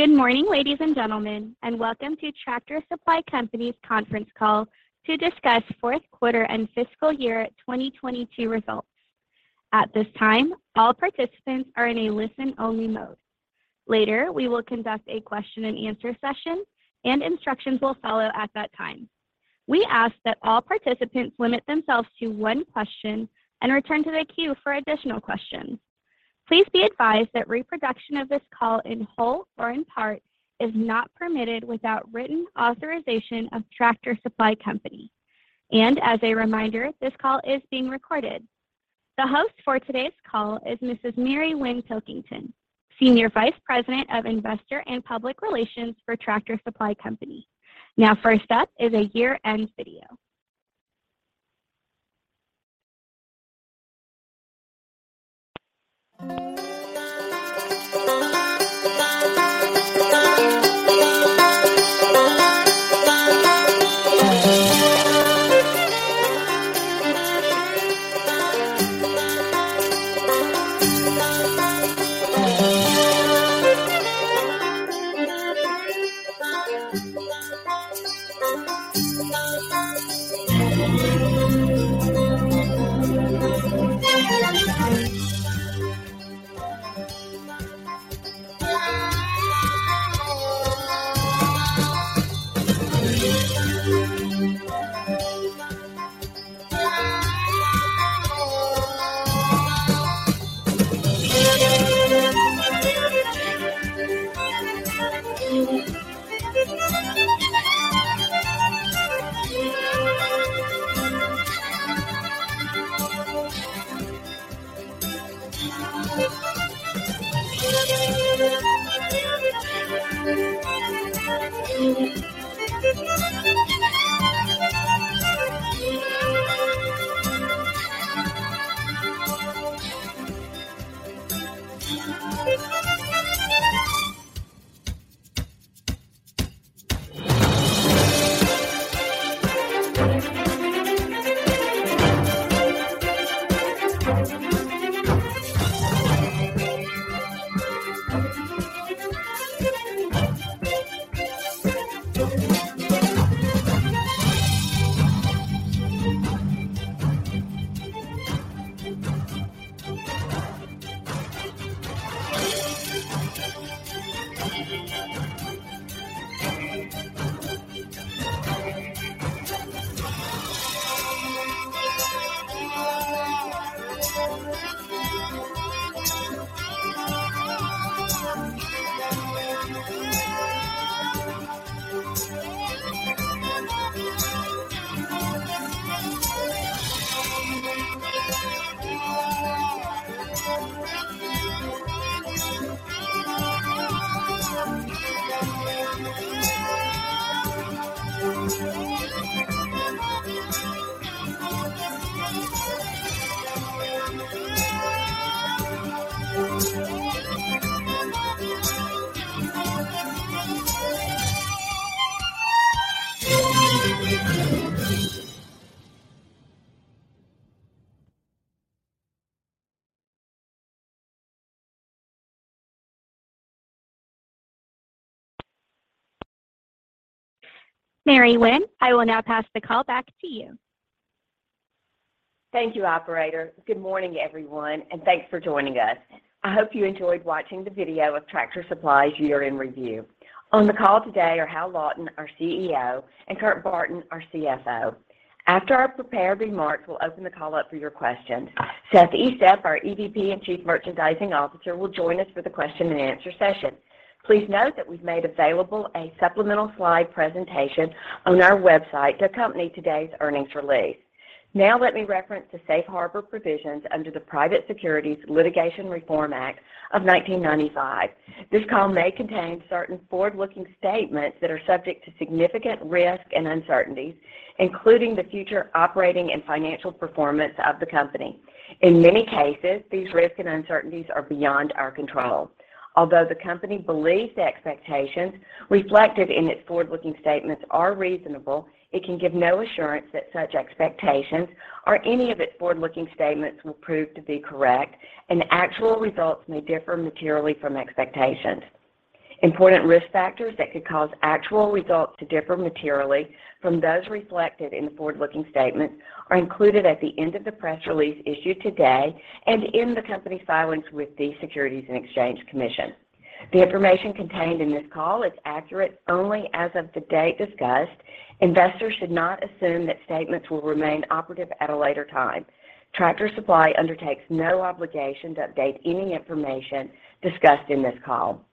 Good morning, ladies and gentlemen, welcome to Tractor Supply Company's conference call to discuss fourth quarter and fiscal year 2022 results. At this time, all participants are in a listen-only mode. Later, we will conduct a question and answer session and instructions will follow at that time. We ask that all participants limit themselves to one question and return to the queue for additional questions. Please be advised that reproduction of this call in whole or in part is not permitted without written authorization of Tractor Supply Company. As a reminder, this call is being recorded. The host for today's call is Mrs. Mary Winn Pilkington, Senior Vice President of Investor and Public Relations for Tractor Supply Company. First up is a year-end video. Mary Winn, I will now pass the call back to you. Thank you, operator. Good morning, everyone, thanks for joining us. I hope you enjoyed watching the video of Tractor Supply's year-end review. On the call today are Hal Lawton, our CEO, and Kurt Barton, our CFO. After our prepared remarks, we'll open the call up for your questions. Seth Estep, our EVP and Chief Merchandising Officer, will join us for the question and answer session. Please note that we've made available a supplemental slide presentation on our website to accompany today's earnings release. Let me reference the Safe Harbor provisions under the Private Securities Litigation Reform Act of 1995. This call may contain certain forward-looking statements that are subject to significant risk and uncertainties, including the future operating and financial performance of the company. In many cases, these risks and uncertainties are beyond our control. Although the company believes the expectations reflected in its forward-looking statements are reasonable, it can give no assurance that such expectations or any of its forward-looking statements will prove to be correct, and actual results may differ materially from expectations. Important risk factors that could cause actual results to differ materially from those reflected in the forward-looking statement are included at the end of the press release issued today and in the company's filings with the Securities and Exchange Commission. The information contained in this call is accurate only as of the date discussed. Investors should not assume that statements will remain operative at a later time. Tractor Supply undertakes no obligation to update any information discussed in this call.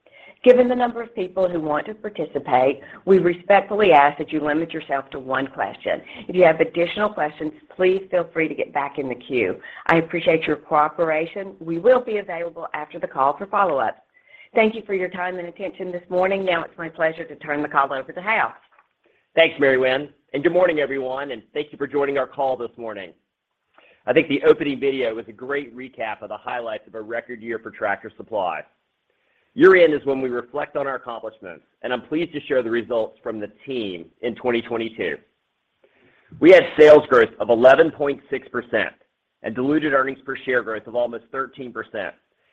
Given the number of people who want to participate, we respectfully ask that you limit yourself to one question. If you have additional questions, please feel free to get back in the queue. I appreciate your cooperation. We will be available after the call for follow-up. Thank you for your time and attention this morning. It's my pleasure to turn the call over to Hal. Thanks, Mary Winn, good morning, everyone, and thank you for joining our call this morning. I think the opening video was a great recap of the highlights of a record year for Tractor Supply. Year-end is when we reflect on our accomplishments, and I'm pleased to share the results from the team in 2022. We had sales growth of 11.6% and diluted earnings per share growth of almost 13%,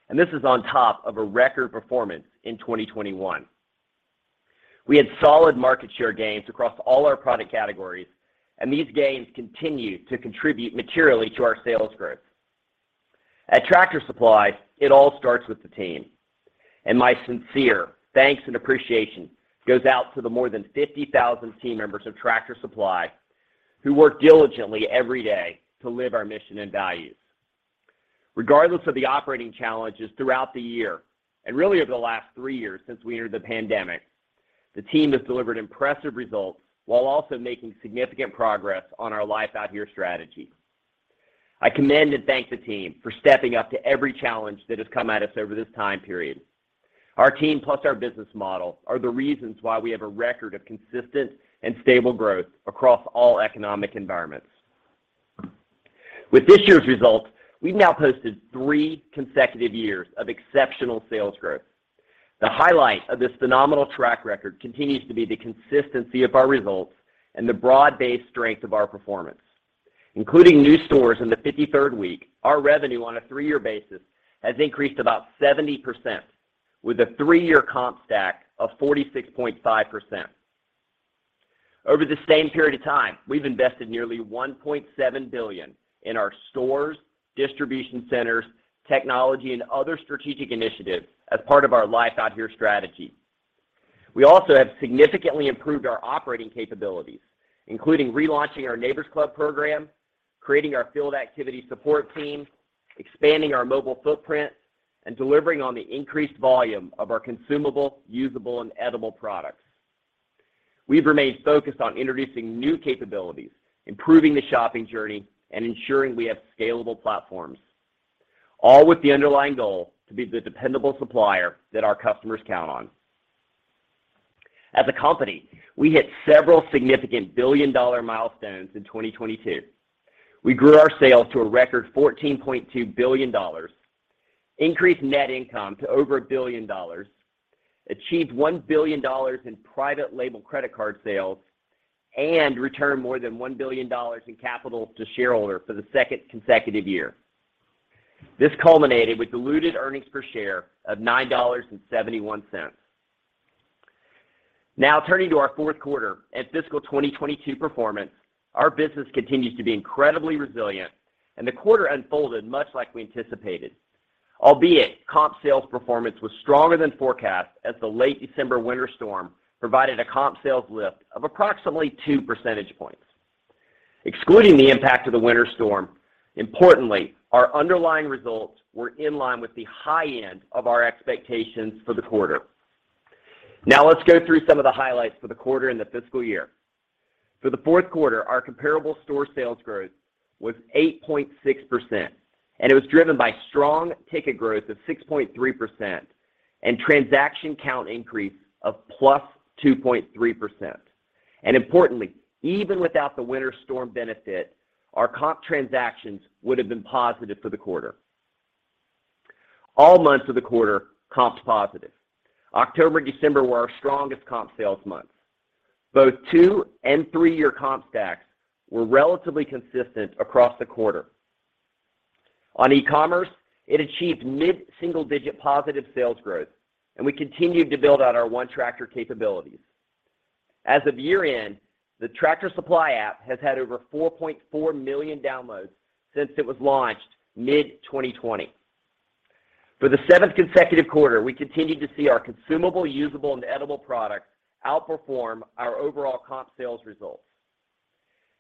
and this is on top of a record performance in 2021. We had solid market share gains across all our product categories, and these gains continue to contribute materially to our sales growth. At Tractor Supply, it all starts with the team, and my sincere thanks and appreciation goes out to the more than 50,000 team members of Tractor Supply who work diligently every day to live our mission and values. Regardless of the operating challenges throughout the year, and really over the last three years since we entered the pandemic, the team has delivered impressive results while also making significant progress on our Life Out Here strategy. I commend and thank the team for stepping up to every challenge that has come at us over this time period. Our team plus our business model are the reasons why we have a record of consistent and stable growth across all economic environments. With this year's results, we've now posted three consecutive years of exceptional sales growth. The highlight of this phenomenal track record continues to be the consistency of our results and the broad-based strength of our performance. Including new stores in the 53rd week, our revenue on a three-year basis has increased about 70% with a three-year comp stack of 46.5%. Over the same period of time, we've invested nearly $1.7 billion in our stores, distribution centers, technology, and other strategic initiatives as part of our Life Out Here strategy. We also have significantly improved our operating capabilities, including relaunching our Neighbor's Club program, creating our Field Activity Support Team, expanding our mobile footprint, and delivering on the increased volume of our consumable, usable, and edible products. We've remained focused on introducing new capabilities, improving the shopping journey, and ensuring we have scalable platforms, all with the underlying goal to be the dependable supplier that our customers count on. As a company, we hit several significant billion-dollar milestones in 2022. We grew our sales to a record $14.2 billion, increased net income to over $1 billion, achieved $1 billion in private label credit card sales, and returned more than $1 billion in capital to shareholders for the second consecutive year. This culminated with diluted earnings per share of $9.71. Turning to our fourth quarter and fiscal 2022 performance, our business continues to be incredibly resilient and the quarter unfolded much like we anticipated. Albeit, comp sales performance was stronger than forecast as the late December winter storm provided a comp sales lift of approximately two percentage points. Excluding the impact of the winter storm, importantly, our underlying results were in line with the high end of our expectations for the quarter. Let's go through some of the highlights for the quarter and the fiscal year. For the fourth quarter, our comparable store sales growth was 8.6%, and it was driven by strong ticket growth of 6.3% and transaction count increase of +2.3%. Importantly, even without the winter storm benefit, our comp transactions would have been positive for the quarter. All months of the quarter, comps positive. October and December were our strongest comp sales months. Both two- and three-year comp stacks were relatively consistent across the quarter. On e-commerce, it achieved mid-single-digit positive sales growth, and we continued to build out our One Tractor capabilities. As of year-end, the Tractor Supply app has had over 4.4 million downloads since it was launched mid-2020. For the seventh consecutive quarter, we continued to see our consumable, usable, and edible products outperform our overall comp sales results.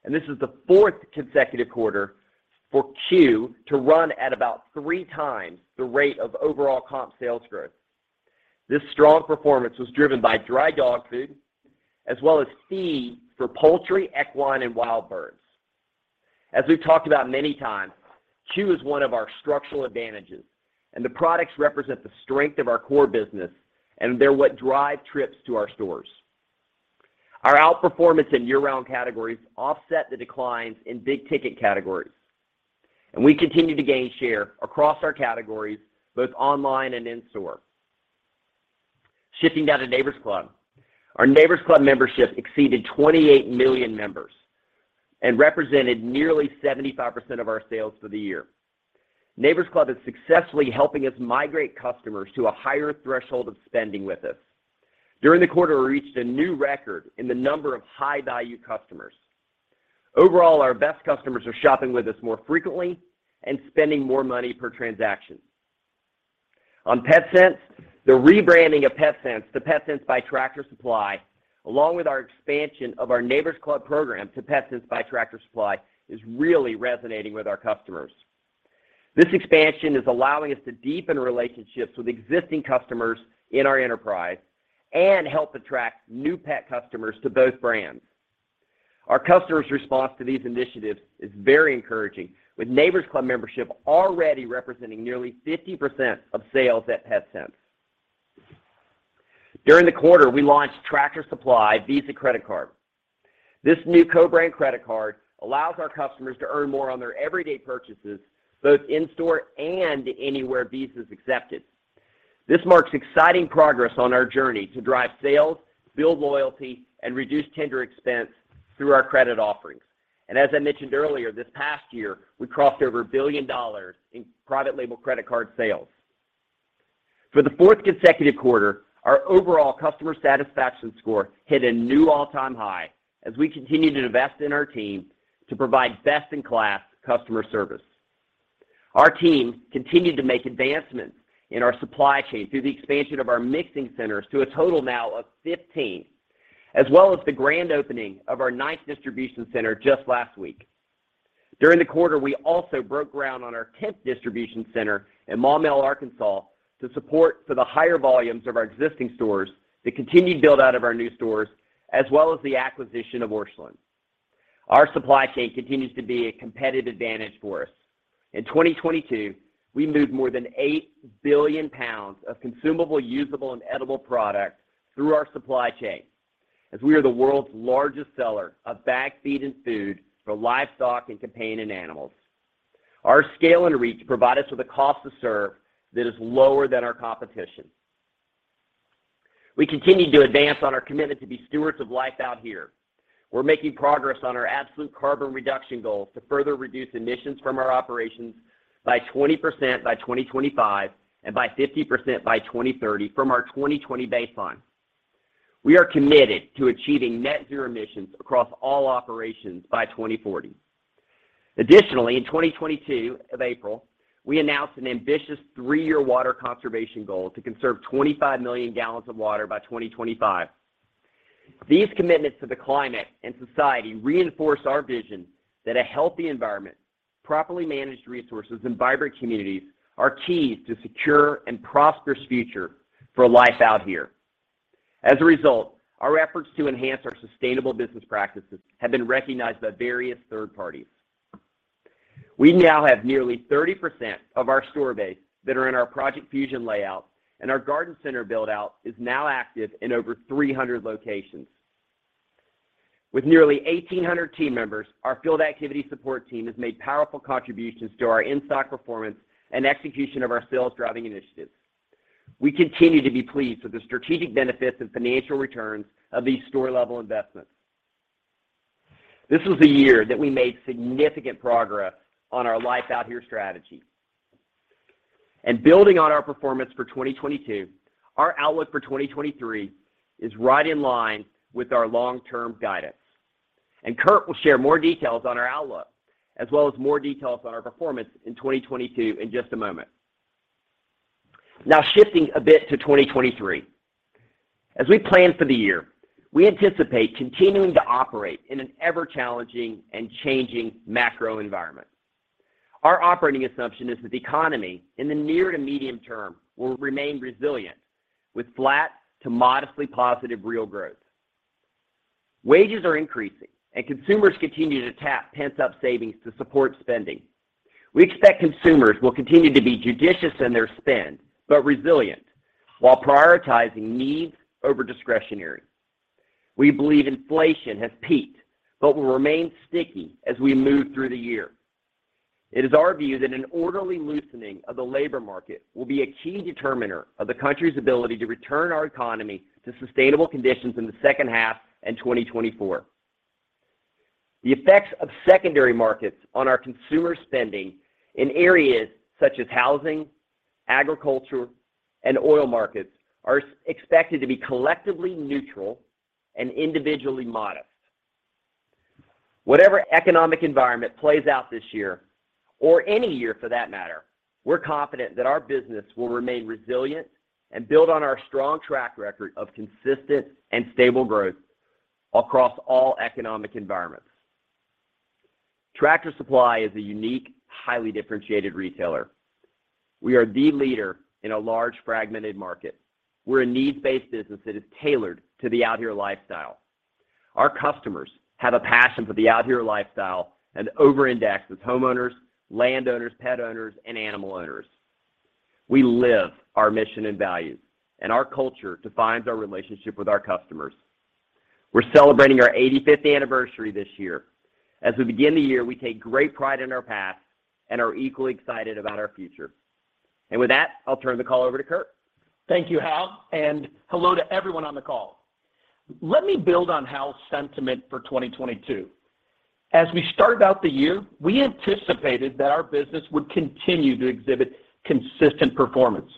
This is the fourth consecutive quarter for C.U.E. to run at about three times the rate of overall comp sales growth. This strong performance was driven by dry dog food as well as feed for poultry, equine, and wild birds. As we've talked about many times, C.U.E. is of our structural advantages, and the products represent the strength of our core business, and they're what drive trips to our stores. Our outperformance in year-round categories offset the declines in big-ticket categories, and we continue to gain share across our categories, both online and in store. Shifting now to Neighbor's Club. Our Neighbor's Club membership exceeded 28 million members and represented nearly 75% of our sales for the year. Neighbor's Club is successfully helping us migrate customers to a higher threshold of spending with us. During the quarter, we reached a new record in the number of high-value customers. Overall, our best customers are shopping with us more frequently and spending more money per transaction. On Petsense, the rebranding of Petsense to Petsense by Tractor Supply, along with our expansion of our Neighbor's Club program to Petsense by Tractor Supply, is really resonating with our customers. This expansion is allowing us to deepen relationships with existing customers in our enterprise and help attract new pet customers to both brands. Our customers' response to these initiatives is very encouraging, with Neighbor's Club membership already representing nearly 50% of sales at Petsense. During the quarter, we launched TSC Visa Credit Card. This new co-brand credit card allows our customers to earn more on their everyday purchases, both in store and anywhere Visa is accepted. This marks exciting progress on our journey to drive sales, build loyalty, and reduce tender expense through our credit offerings. As I mentioned earlier, this past year, we crossed over $1 billion in private label credit card sales. For the fourth consecutive quarter, our overall customer satisfaction score hit a new all-time high as we continue to invest in our team to provide best-in-class customer service. Our team continued to make advancements in our supply chain through the expansion of our mixing centers to a total now of 15, as well as the grand opening of our 9th distribution center just last week. During the quarter, we also broke ground on our 10th distribution center in Maumelle, Arkansas, to support for the higher volumes of our existing stores, the continued build-out of our new stores, as well as the acquisition of Orscheln. Our supply chain continues to be a competitive advantage for us. In 2022, we moved more than 8 billion pounds of consumable, usable, and edible products through our supply chain as we are the world's largest seller of bagged feed and food for livestock and companion animals. Our scale and reach provide us with a cost to serve that is lower than our competition. We continue to advance on our commitment to be stewards of Life Out Here. We're making progress on our absolute carbon reduction goals to further reduce emissions from our operations by 20% by 2025 and by 50% by 2030 from our 2020 baseline. We are committed to achieving net zero emissions across all operations by 2040. In 2022 of April, we announced an ambitious three-year water conservation goal to conserve 25 million gallons of water by 2025. These commitments to the climate and society reinforce our vision that a healthy environment, properly managed resources, and vibrant communities are key to secure and prosperous future for Life Out Here. Our efforts to enhance our sustainable business practices have been recognized by various third parties. We now have nearly 30% of our store base that are in our Project Fusion layout. Our Garden Center build-out is now active in over 300 locations. With nearly 1,800 team members, our Field Activity Support Team has made powerful contributions to our in-stock performance and execution of our sales-driving initiatives. We continue to be pleased with the strategic benefits and financial returns of these store-level investments. This was a year that we made significant progress on our Life Out Here strategy. Building on our performance for 2022, our outlook for 2023 is right in line with our long-term guidance. Kurt will share more details on our outlook as well as more details on our performance in 2022 in just a moment. Now shifting a bit to 2023. As we plan for the year, we anticipate continuing to operate in an ever-challenging and changing macro environment. Our operating assumption is that the economy in the near to medium term will remain resilient with flat to modestly positive real growth. Consumers continue to tap pent-up savings to support spending. We expect consumers will continue to be judicious in their spend but resilient while prioritizing needs over discretionary. We believe inflation has peaked but will remain sticky as we move through the year. It is our view that an orderly loosening of the labor market will be a key determiner of the country's ability to return our economy to sustainable conditions in the second half and 2024. The effects of secondary markets on our consumer spending in areas such as housing, agriculture, and oil markets are expected to be collectively neutral and individually modest. Whatever economic environment plays out this year or any year for that matter, we're confident that our business will remain resilient and build on our strong track record of consistent and stable growth across all economic environments. Tractor Supply is a unique, highly differentiated retailer. We are the leader in a large fragmented market. We're a needs-based business that is tailored to the out here lifestyle. Our customers have a passion for the out here lifestyle and over-index with homeowners, landowners, pet owners, and animal owners. We live our mission and values. Our culture defines our relationship with our customers. We're celebrating our eighty-fifth anniversary this year. As we begin the year, we take great pride in our past and are equally excited about our future. With that, I'll turn the call over to Kurt. Thank you, Hal, and hello to everyone on the call. Let me build on Hal's sentiment for 2022. As we started out the year, we anticipated that our business would continue to exhibit consistent performance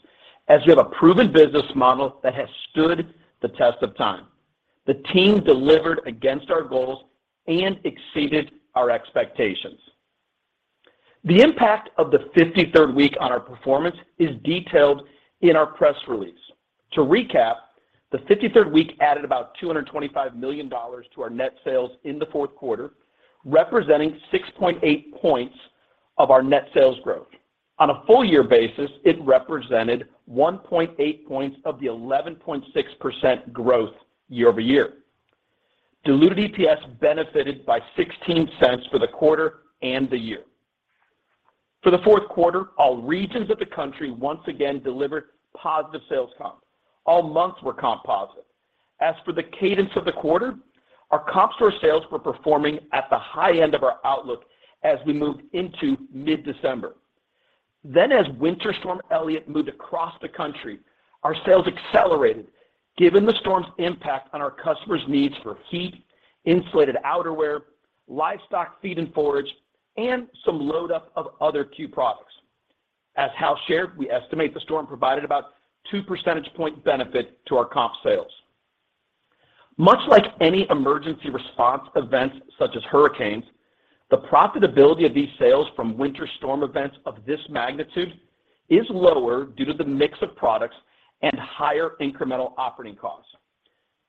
as we have a proven business model that has stood the test of time. The team delivered against our goals and exceeded our expectations. The impact of the 53rd week on our performance is detailed in our press release. To recap, the 53rd week added about $225 million to our net sales in the fourth quarter, representing 6.8 points of our net sales growth. On a full year basis, it represented 1.8 points of the 11.6% growth year-over-year. Diluted EPS benefited by $0.16 for the quarter and the year. For the fourth quarter, all regions of the country once again delivered positive sales comp. All months were comp positive. For the cadence of the quarter, our comp store sales were performing at the high end of our outlook as we moved into mid-December. As Winter Storm Elliott moved across the country, our sales accelerated given the storm's impact on our customers' needs for heat, insulated outerwear, livestock feed and forage, and some load up of other C.U.E. products. As Hal shared, we estimate the storm provided about two percentage point benefit to our comp sales. Much like any emergency response events such as hurricanes, the profitability of these sales from winter storm events of this magnitude is lower due to the mix of products and higher incremental operating costs.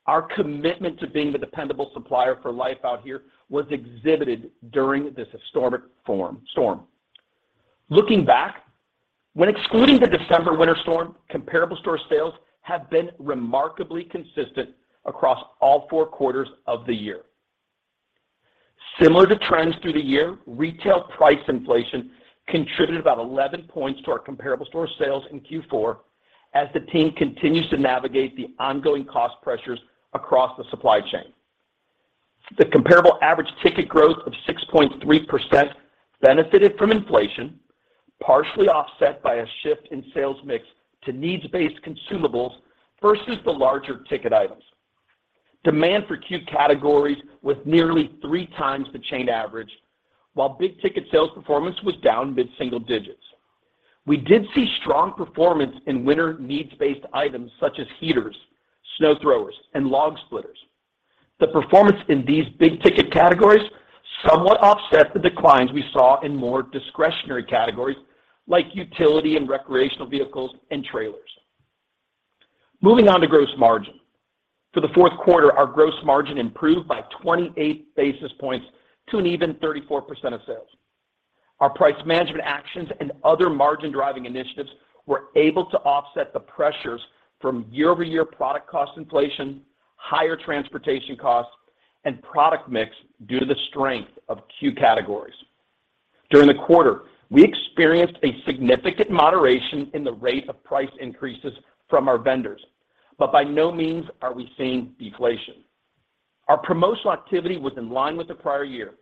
Our commitment to being the dependable supplier for Life Out Here was exhibited during this historic storm. Looking back, when excluding the December winter storm, comparable store sales have been remarkably consistent across all four quarters of the year. Similar to trends through the year, retail price inflation contributed about 11 points to our comparable store sales in Q4 as the team continues to navigate the ongoing cost pressures across the supply chain. The comparable average ticket growth of 6.3% benefited from inflation, partially offset by a shift in sales mix to needs-based consumables versus the larger ticket items. Demand for C.U.E. categories was nearly three times the chain average, while big ticket sales performance was down mid-single digits. We did see strong performance in winter needs-based items such as heaters, snow throwers and log splitters. The performance in these big ticket categories somewhat offset the declines we saw in more discretionary categories like utility and recreational vehicles and trailers. Moving on to gross margin. For the fourth quarter, our gross margin improved by 28 basis points to an even 34% of sales. Our price management actions and other margin driving initiatives were able to offset the pressures from year-over-year product cost inflation, higher transportation costs and product mix due to the strength of C.U.E. categories. During the quarter, we experienced a significant moderation in the rate of price increases from our vendors but by no means are we seeing deflation. Our promotional activity was in line with the prior year,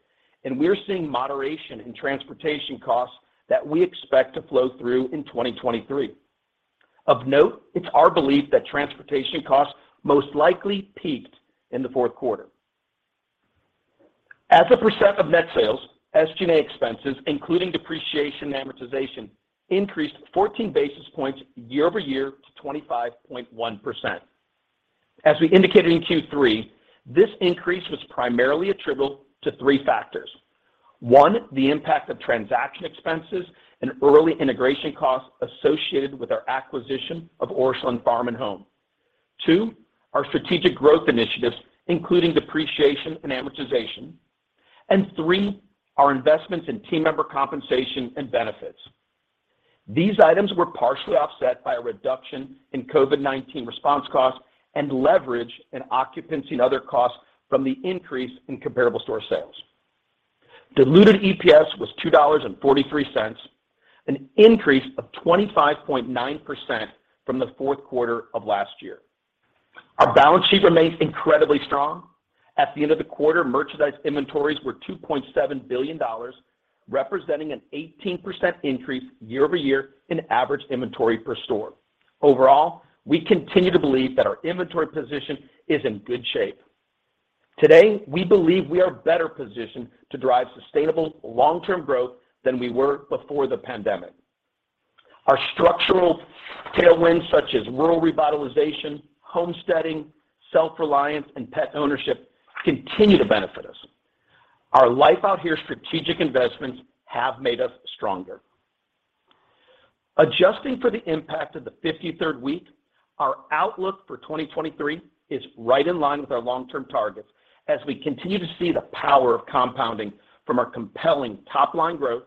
and we are seeing moderation in transportation costs that we expect to flow through in 2023. Of note, it's our belief that transportation costs most likely peaked in the fourth quarter. As a percent of net sales, SG&A expenses, including Depreciation and Amortization, increased 14 basis points year over year to 25.1%. As we indicated in Q3, this increase was primarily attributable to three factors. One, the impact of transaction expenses and early integration costs associated with our acquisition of Orscheln Farm and Home. Two, our strategic growth initiatives, including Depreciation and Amortization. Three, our investments in team member compensation and benefits. These items were partially offset by a reduction in COVID-19 response costs and leverage in occupancy and other costs from the increase in comparable store sales. Diluted EPS was $2.43, an increase of 25.9% from the fourth quarter of last year. Our balance sheet remains incredibly strong. At the end of the quarter, merchandise inventories were $2.7 billion, representing an 18% increase year-over-year in average inventory per store. Overall, we continue to believe that our inventory position is in good shape. Today, we believe we are better positioned to drive sustainable long-term growth than we were before the pandemic. Our structural tailwinds such as rural revitalization, homesteading, self-reliance and pet ownership continue to benefit us. Our Life Out Here strategic investments have made us stronger. Adjusting for the impact of the 53rd week, our outlook for 2023 is right in line with our long-term targets as we continue to see the power of compounding from our compelling top-line growth,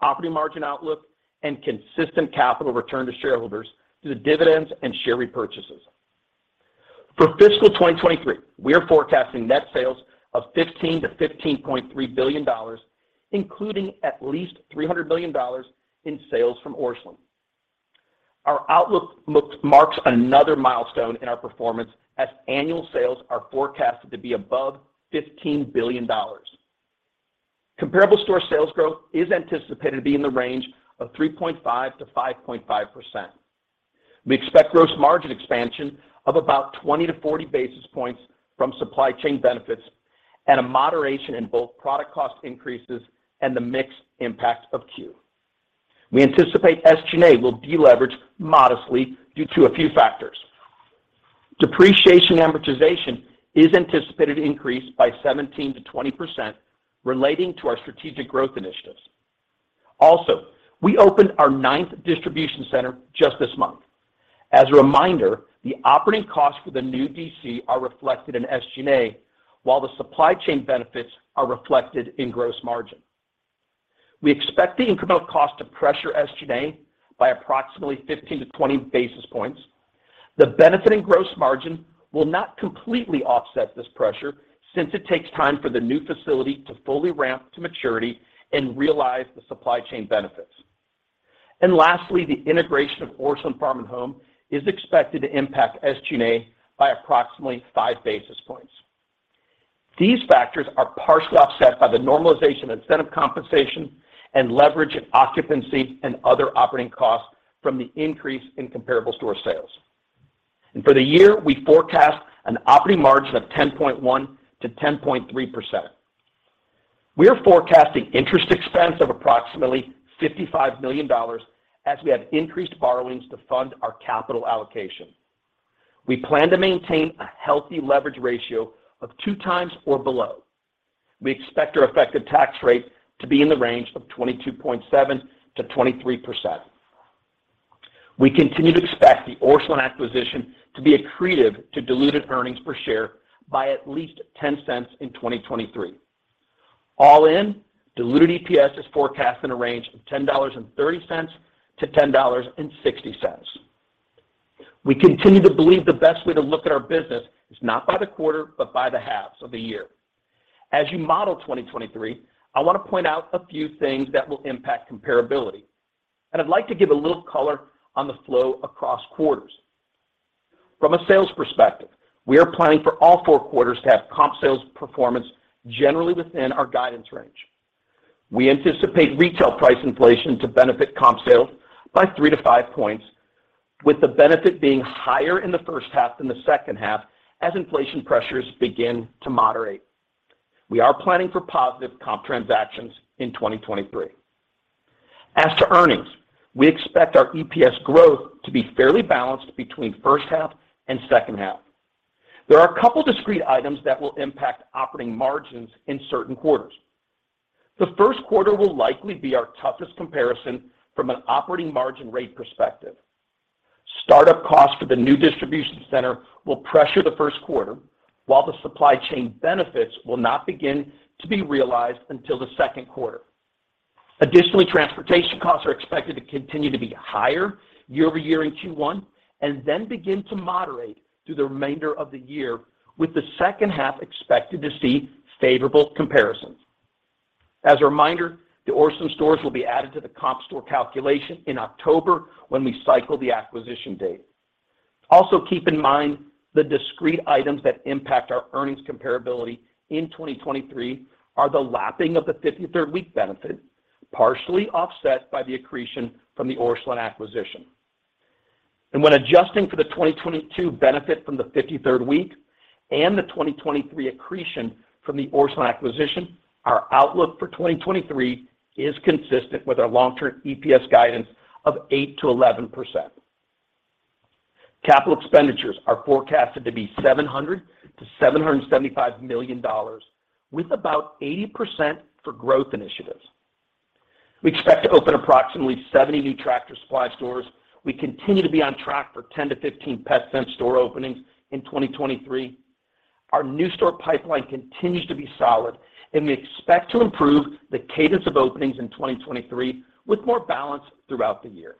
operating margin outlook and consistent capital return to shareholders through the dividends and share repurchases. For fiscal 2023, we are forecasting net sales of $15 billion-$15.3 billion, including at least $300 million in sales from Orscheln. Our outlook marks another milestone in our performance as annual sales are forecasted to be above $15 billion. Comparable store sales growth is anticipated to be in the range of 3.5%-5.5%. We expect gross margin expansion of about 20-40 basis points from supply chain benefits and a moderation in both product cost increases and the mix impact of C.U.E.. We anticipate SG&A will deleverage modestly due to a few factors. Depreciation and Amortization is anticipated to increase by 17%-20% relating to our strategic growth initiatives. We opened our ninth distribution center just this month. As a reminder, the operating costs for the new DC are reflected in SG&A, while the supply chain benefits are reflected in gross margin. We expect the incremental cost to pressure SG&A by approximately 15-20 basis points. The benefit in gross margin will not completely offset this pressure since it takes time for the new facility to fully ramp to maturity and realize the supply chain benefits. Lastly, the integration of Orscheln Farm and Home is expected to impact SG&A by approximately 5 basis points. These factors are partially offset by the normalization incentive compensation and leverage in occupancy and other operating costs from the increase in comparable store sales. For the year, we forecast an operating margin of 10.1%-10.3%. We are forecasting interest expense of approximately $55 million as we have increased borrowings to fund our capital allocation. We plan to maintain a healthy leverage ratio of two times or below. We expect our effective tax rate to be in the range of 22.7%-23%. We continue to expect the Orscheln acquisition to be accretive to diluted earnings per share by at least $0.10 in 2023. All in, diluted EPS is forecast in a range of $10.30-$10.60. We continue to believe the best way to look at our business is not by the quarter but by the halves of the year. As you model 2023, I wanna point out a few things that will impact comparability, I'd like to give a little color on the flow across quarters. From a sales perspective, we are planning for all four quarters to have comp sales performance generally within our guidance range. We anticipate retail price inflation to benefit comp sales by 3-5 points, with the benefit being higher in the first half than the second half as inflation pressures begin to moderate. We are planning for positive comp transactions in 2023. As to earnings, we expect our EPS growth to be fairly balanced between first half and second half. There are a couple discrete items that will impact operating margins in certain quarters. The first quarter will likely be our toughest comparison from an operating margin rate perspective. Startup costs for the new distribution center will pressure the first quarter, while the supply chain benefits will not begin to be realized until the second quarter. Additionally, transportation costs are expected to continue to be higher year-over-year in Q1 and then begin to moderate through the remainder of the year, with the second half expected to see favorable comparisons. As a reminder, the Orscheln stores will be added to the comp store calculation in October when we cycle the acquisition date. Keep in mind the discrete items that impact our earnings comparability in 2023 are the lapping of the 53rd week benefit, partially offset by the accretion from the Orscheln acquisition. When adjusting for the 2022 benefit from the 53rd week and the 2023 accretion from the Orscheln acquisition, our outlook for 2023 is consistent with our long-term EPS guidance of 8%-11%. Capital expenditures are forecasted to be $700 million-$775 million, with about 80% for growth initiatives. We expect to open approximately 70 new Tractor Supply stores. We continue to be on track for 10-15 Petsense store openings in 2023. Our new store pipeline continues to be solid. We expect to improve the cadence of openings in 2023 with more balance throughout the year.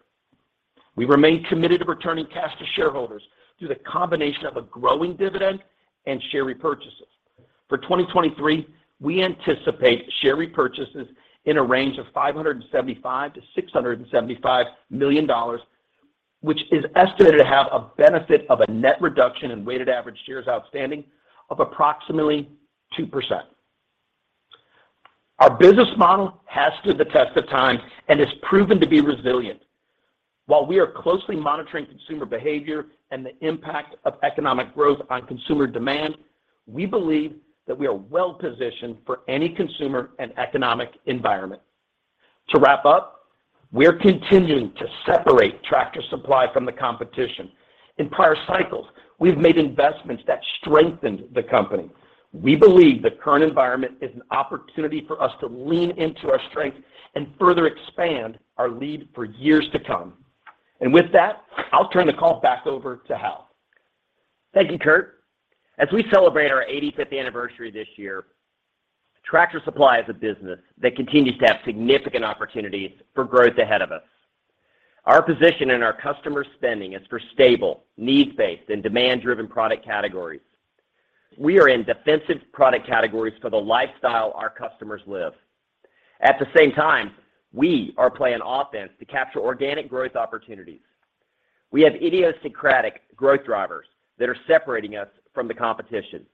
We remain committed to returning cash to shareholders through the combination of a growing dividend and share repurchases. For 2023, we anticipate share repurchases in a range of $575 million-$675 million, which is estimated to have a benefit of a net reduction in weighted average shares outstanding of approximately 2%. Our business model has stood the test of time and has proven to be resilient. While we are closely monitoring consumer behavior and the impact of economic growth on consumer demand, we believe that we are well-positioned for any consumer and economic environment. To wrap up, we're continuing to separate Tractor Supply from the competition. In prior cycles, we've made investments that strengthened the company. We believe the current environment is an opportunity for us to lean into our strength and further expand our lead for years to come. With that, I'll turn the call back over to Hal. Thank you, Kurt. As we celebrate our 85th anniversary this year, Tractor Supply is a business that continues to have significant opportunities for growth ahead of us. Our position in our customer spending is for stable, needs-based, and demand-driven product categories. We are in defensive product categories for the lifestyle our customers live. At the same time, we are playing offense to capture organic growth opportunities. We have idiosyncratic growth drivers that are separating us from the competition.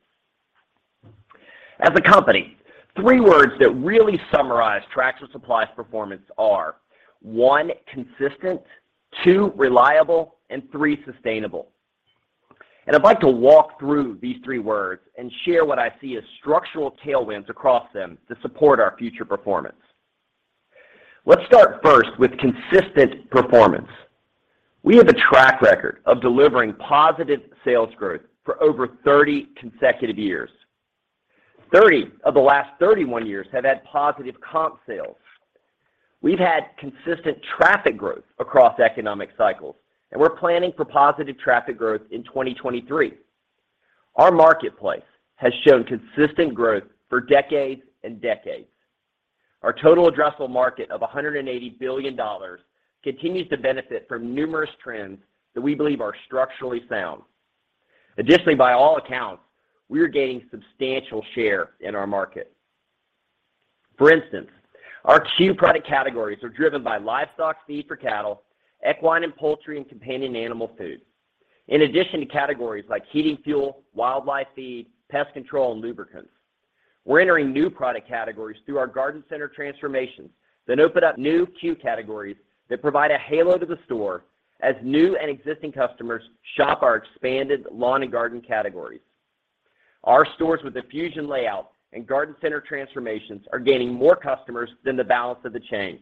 As a company, three words that really summarize Tractor Supply's performance are one, consistent, two, reliable, and three, sustainable. I'd like to walk through these three words and share what I see as structural tailwinds across them to support our future performance. Let's start first with consistent performance. We have a track record of delivering positive sales growth for over 30 consecutive years. 30 of the last 31 years have had positive comp sales. We've had consistent traffic growth across economic cycles, and we're planning for positive traffic growth in 2023. Our marketplace has shown consistent growth for decades and decades. Our total addressable market of $180 billion continues to benefit from numerous trends that we believe are structurally sound. By all accounts, we are gaining substantial share in our market. For instance, our key product categories are driven by livestock feed for cattle, equine and poultry, and companion animal food. In addition to categories like heating fuel, wildlife feed, pest control, and lubricants, we're entering new product categories through our Garden Center transformations that open up new C.U.E. categories that provide a halo to the store as new and existing customers shop our expanded lawn and garden categories. Our stores with a fusion layout and Garden Center transformations are gaining more customers than the balance of the chain.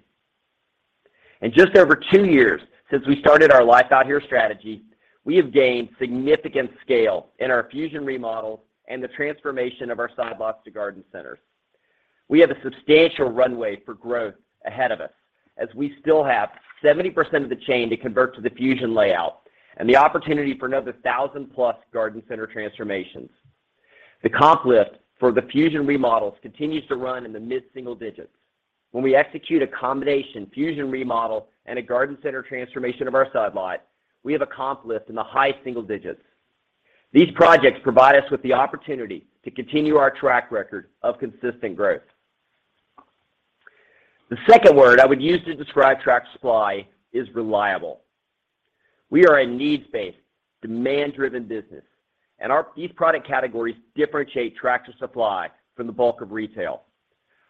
In just over two years since we started our Life Out Here strategy, we have gained significant scale in our fusion remodel and the transformation of our side lots to Garden Centers. We have a substantial runway for growth ahead of us as we still have 70% of the chain to convert to the fusion layout and the opportunity for another 1,000+ Garden Center transformations. The comp lift for the fusion remodels continues to run in the mid-single digits. When we execute a combination fusion remodel and a Garden Center transformation of our side lot, we have a comp lift in the high single digits. These projects provide us with the opportunity to continue our track record of consistent growth. The second word I would use to describe Tractor Supply is reliable. We are a needs-based, demand-driven business, and these product categories differentiate Tractor Supply from the bulk of retail.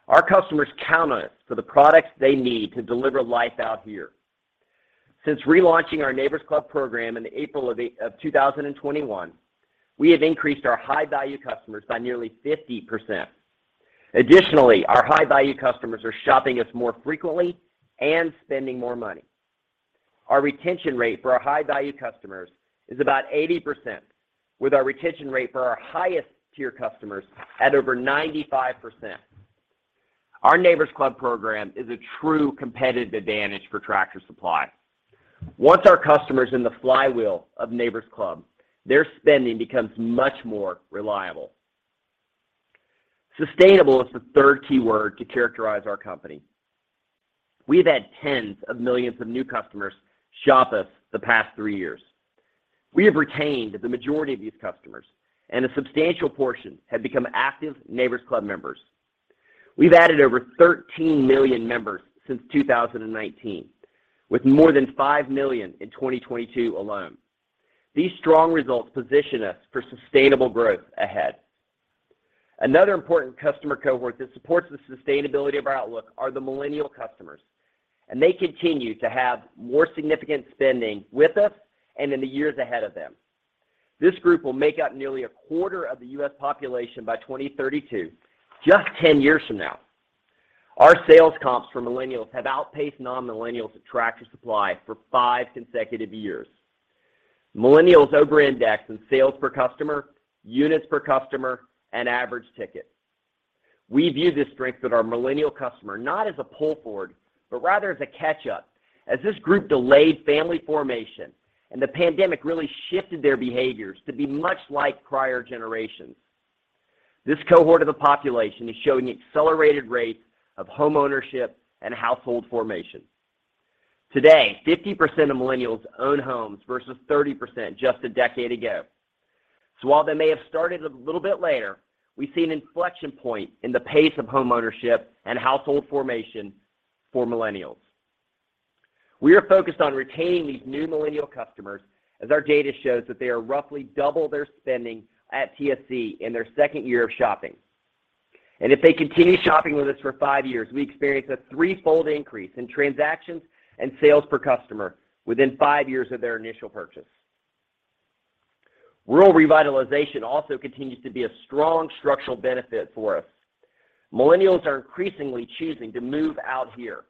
Our customers count on us for the products they need to deliver Life Out Here. Since relaunching our Neighbor's Club program in April of 2021, we have increased our high-value customers by nearly 50%. Additionally, our high-value customers are shopping us more frequently and spending more money. Our retention rate for our high-value customers is about 80%, with our retention rate for our highest tier customers at over 95%. Our Neighbor's Club program is a true competitive advantage for Tractor Supply. Once our customer's in the flywheel of Neighbor's Club, their spending becomes much more reliable. Sustainable is the third key word to characterize our company. We've had tens of millions of new customers shop us the past three years. We have retained the majority of these customers, and a substantial portion have become active Neighbor's Club members. We've added over 13 million members since 2019, with more than 5 million in 2022 alone. These strong results position us for sustainable growth ahead. Another important customer cohort that supports the sustainability of our outlook are the millennial customers, and they continue to have more significant spending with us and in the years ahead of them. This group will make up nearly a quarter of the U.S. population by 2032, just 10 years from now. Our sales comps for millennials have outpaced non-millennials at Tractor Supply for five consecutive years. Millennials over-index in sales per customer, units per customer, and average ticket. We view the strength of our millennial customer not as a pull forward, but rather as a catch-up, as this group delayed family formation and the pandemic really shifted their behaviors to be much like prior generations. This cohort of the population is showing accelerated rates of home ownership and household formation. Today, 50% of millennials own homes versus 30% just a decade ago. While they may have started a little bit later, we see an inflection point in the pace of home ownership and household formation for millennials. We are focused on retaining these new millennial customers as our data shows that they are roughly double their spending at TSC in their second year of shopping. If they continue shopping with us for five years, we experience a threefold increase in transactions and sales per customer within five years of their initial purchase. Rural revitalization also continues to be a strong structural benefit for us. Millennials are increasingly choosing to move out here.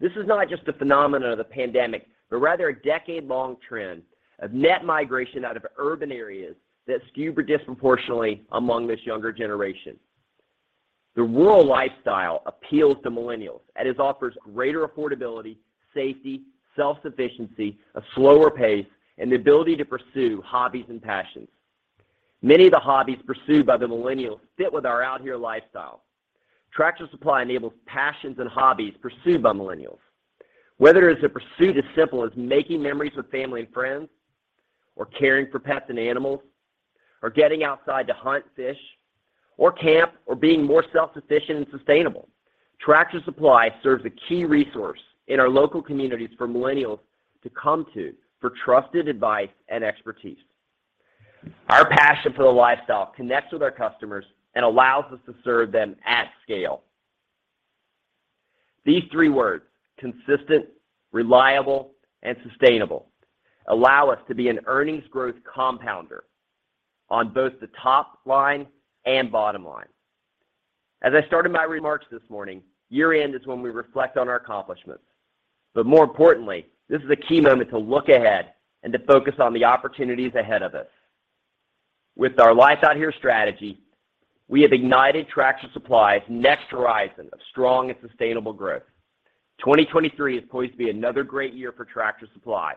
This is not just a phenomenon of the pandemic, but rather a decade-long trend of net migration out of urban areas that skew disproportionately among this younger generation. The rural lifestyle appeals to millennials, as it offers greater affordability, safety, self-sufficiency, a slower pace, and the ability to pursue hobbies and passions. Many of the hobbies pursued by the millennials fit with our Out Here lifestyle. Tractor Supply enables passions and hobbies pursued by millennials. Whether it's a pursuit as simple as making memories with family and friends or caring for pets and animals or getting outside to hunt, fish, or camp or being more self-sufficient and sustainable, Tractor Supply serves a key resource in our local communities for millennials to come to for trusted advice and expertise. Our passion for the lifestyle connects with our customers and allows us to serve them at scale. These three words, consistent, reliable, and sustainable, allow us to be an earnings growth compounder on both the top line and bottom line. As I started my remarks this morning, year-end is when we reflect on our accomplishments, more importantly, this is a key moment to look ahead and to focus on the opportunities ahead of us. With our Life Out Here strategy, we have ignited Tractor Supply's next horizon of strong and sustainable growth. 2023 is poised to be another great year for Tractor Supply.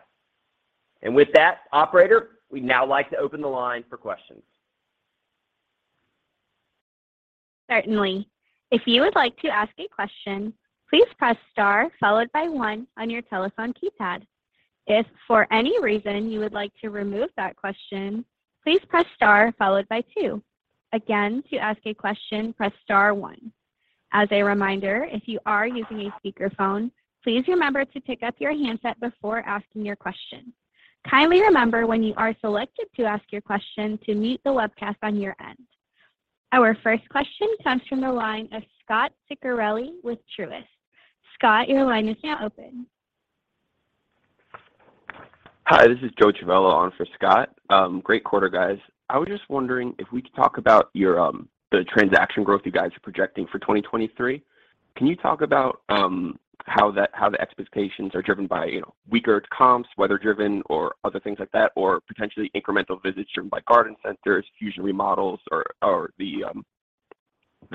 With that, operator, we'd now like to open the line for questions. Certainly. If you would like to ask a question, please press star followed by one on your telephone keypad. If for any reason you would like to remove that question, please press star followed by two. Again, to ask a question, press star one. As a reminder, if you are using a speakerphone, please remember to pick up your handset before asking your question. Kindly remember when you are selected to ask your question to mute the webcast on your end. Our first question comes from the line of Scot Ciccarelli with Truist. Scot, your line is now open. Hi, this is Joe Civello on for Scot Ciccarelli. Great quarter guys. I was just wondering if we could talk about your transaction growth you guys are projecting for 2023. Can you talk about how the expectations are driven by, you know, weaker comps, weather driven or other things like that, or potentially incremental visits driven by garden centers, Project Fusion remodels or the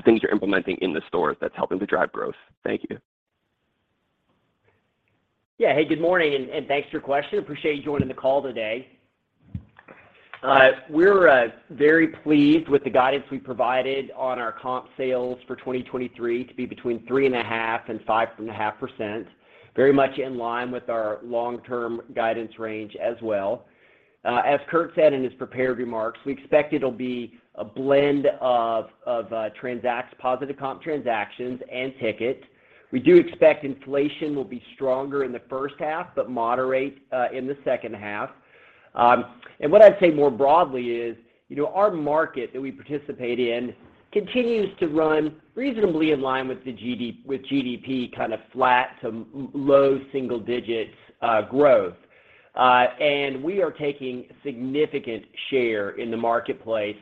things you're implementing in the stores that's helping to drive growth? Thank you. Hey, good morning and thanks for your question. Appreciate you joining the call today. We're very pleased with the guidance we provided on our comp sales for 2023 to be between 3.5% and 5.5%. Very much in line with our long-term guidance range as well. As Kurt said in his prepared remarks, we expect it'll be a blend of transacts, positive comp transactions and ticket. We do expect inflation will be stronger in the first half but moderate in the second half. What I'd say more broadly is, you know, our market that we participate in continues to run reasonably in line with pounds kind of flat to low single digits growth. We are taking significant share in the marketplace.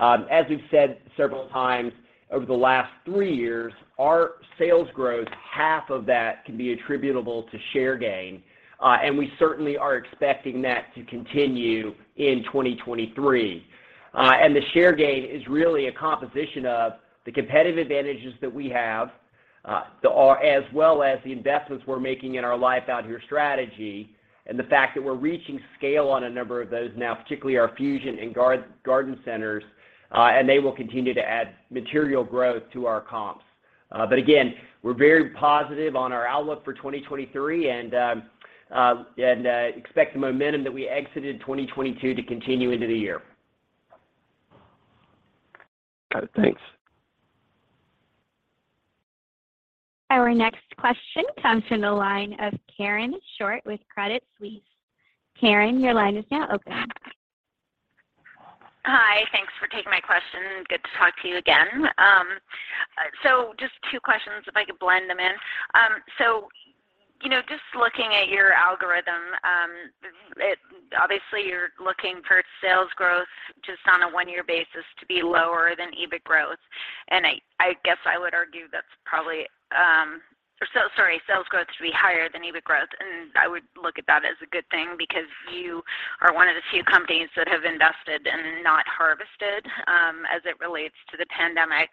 As we've said several times over the last three years, our sales growth, half of that can be attributable to share gain. We certainly are expecting that to continue in 2023. The share gain is really a composition of the competitive advantages that we have, or as well as the investments we're making in our Life Out Here strategy and the fact that we're reaching scale on a number of those now, particularly our Fusion and Garden Centers, they will continue to add material growth to our comps. Again, we're very positive on our outlook for 2023 and expect the momentum that we exited 2022 to continue into the year. Got it. Thanks. Our next question comes from the line of Karen Short with Credit Suisse. Karen, your line is now open. Hi. Thanks for taking my question. Good to talk to you again. Just two questions if I could blend them in. You know, just looking at your algorithm, obviously you're looking for sales growth just on a one-year basis to be lower than EBIT growth. I guess I would argue that's probably, Or sorry, sales growth to be higher than EBIT growth. I would look at that as a good thing because you are one of the few companies that have invested and not harvested, as it relates to the pandemic.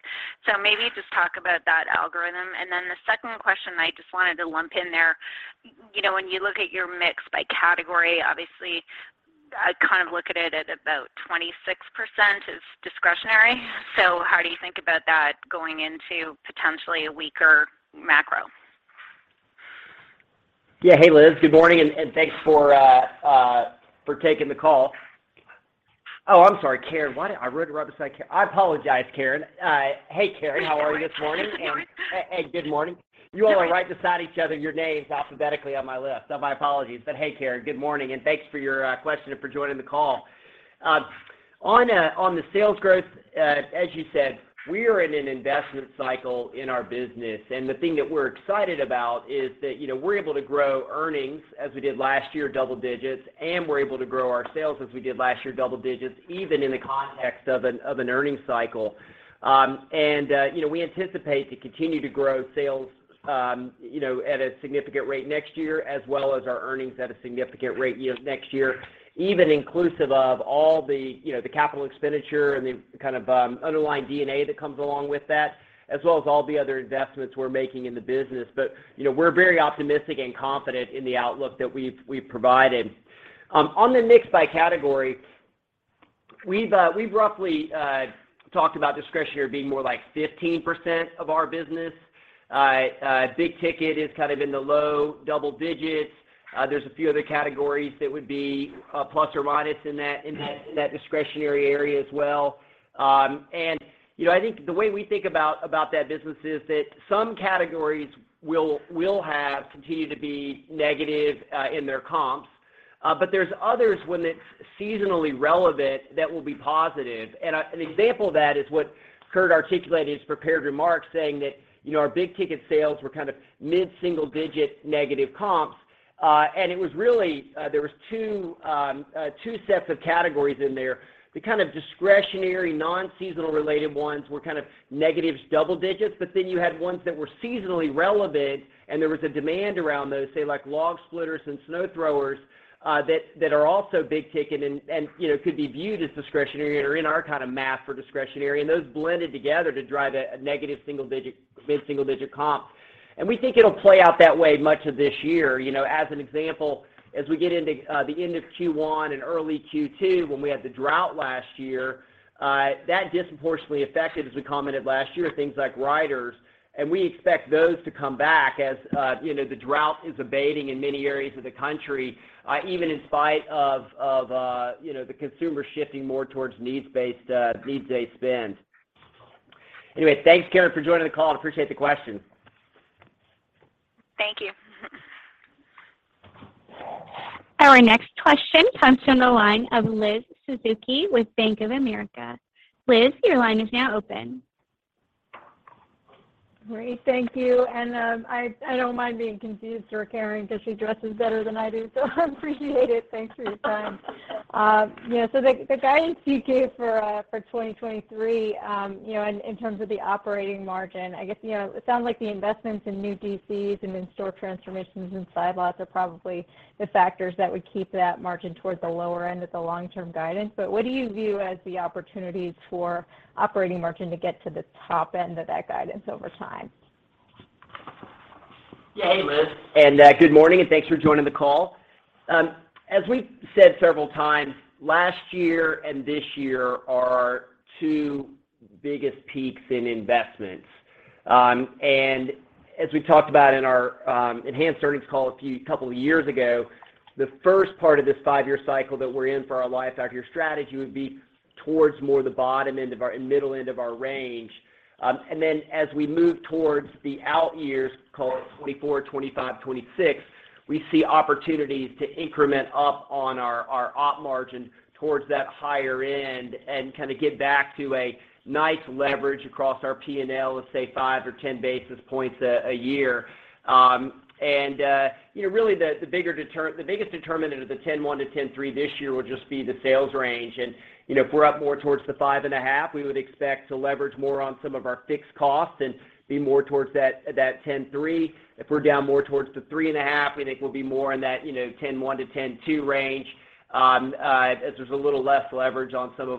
Maybe just talk about that algorithm. Then the second question I just wanted to lump in there. You know, when you look at your mix by category, obviously I kind of look at it at about 26% is discretionary. How do you think about that going into potentially a weaker macro? Yeah. Hey, Liz. Good morning and thanks for taking the call. I'm sorry, Karen. Why did I write it beside Karen? I apologize, Karen. Hey, Karen. It's all right. How are you this morning? Hey. Good morning. You all are right beside each other. Your names alphabetically on my list. My apologies. Hey, Karen, good morning and thanks for your question and for joining the call. On the sales growth, as you said, we are in an investment cycle in our business. The thing that we're excited about is that, you know, we're able to grow earnings as we did last year, double digits. We're able to grow our sales as we did last year, double digits, even in the context of an of an earnings cycle. You know, we anticipate to continue to grow sales, you know, at a significant rate next year as well as our earnings at a significant rate, you know, next year, even inclusive of all the, you know, the capital expenditure and the kind of underlying D&A that comes along with that, as well as all the other investments we're making in the business. You know, we're very optimistic and confident in the outlook that we've provided. On the mix by category, we've roughly talked about discretionary being more like 15% of our business. Big ticket is kind of in the low double digits. There's a few other categories that would be plus or minus in that discretionary area as well. You know, I think the way we think about that business is that some categories will have continued to be negative in their comps. There's others when it's seasonally relevant that will be positive. An example of that is what Kurt articulated in his prepared remarks saying that, you know, our big-ticket sales were kind of mid-single-digit negative comps. It was really. There was two sets of categories in there. The kind of discretionary non-seasonal related ones were kind of negative double digits, you had ones that were seasonally relevant and there was a demand around those, say like log splitters and snow throwers that are also big-ticket and, you know, could be viewed as discretionary or in our kind of math for discretionary. Those blended together to drive a negative single digit, mid single digit comp. We think it'll play out that way much of this year. You know, as an example, as we get into the end of Q1 and early Q2 when we had the drought last year, that disproportionately affected, as we commented last year, things like riders. We expect those to come back as, you know, the drought is abating in many areas of the country, even in spite of, you know, the consumer shifting more towards needs-based, needs-based spend. Anyway, thanks Karen for joining the call. Appreciate the question. Thank you. Our next question comes from the line of Liz Suzuki with Bank of America. Liz, your line is now open. Great. Thank you. I don't mind being confused for Karen because she dresses better than I do, so I appreciate it. Thanks for your time. So the guidance you gave for 2023, you know, in terms of the operating margin. I guess, you know, it sounds like the investments in new DCs and in-store transformations and side lots are probably the factors that would keep that margin towards the lower end of the long-term guidance. What do you view as the opportunities for operating margin to get to the top end of that guidance over time? Hey, Liz. Good morning, and thanks for joining the call. As we said several times, last year and this year are our two biggest peaks in investments. As we talked about in our enhanced earnings call a couple of years ago, the first part of this five-year cycle that we're in for our Life Out Here strategy would be towards more the bottom end of our and middle end of our range. As we move towards the out years, call it 2024, 2025, 2026, we see opportunities to increment up on our op margin towards that higher end and kind of get back to a nice leverage across our P&L of, say, five or 10 basis points a year. You know, really the biggest determinant of the 10.1%-10.3% this year will just be the sales range. You know, if we're up more towards the 5.5%, we would expect to leverage more on some of our fixed costs and be more towards that 10.3%. If we're down more towards the 3.5%, we think we'll be more in that, you know, 10.1%-10.2% range, as there's a little less leverage on some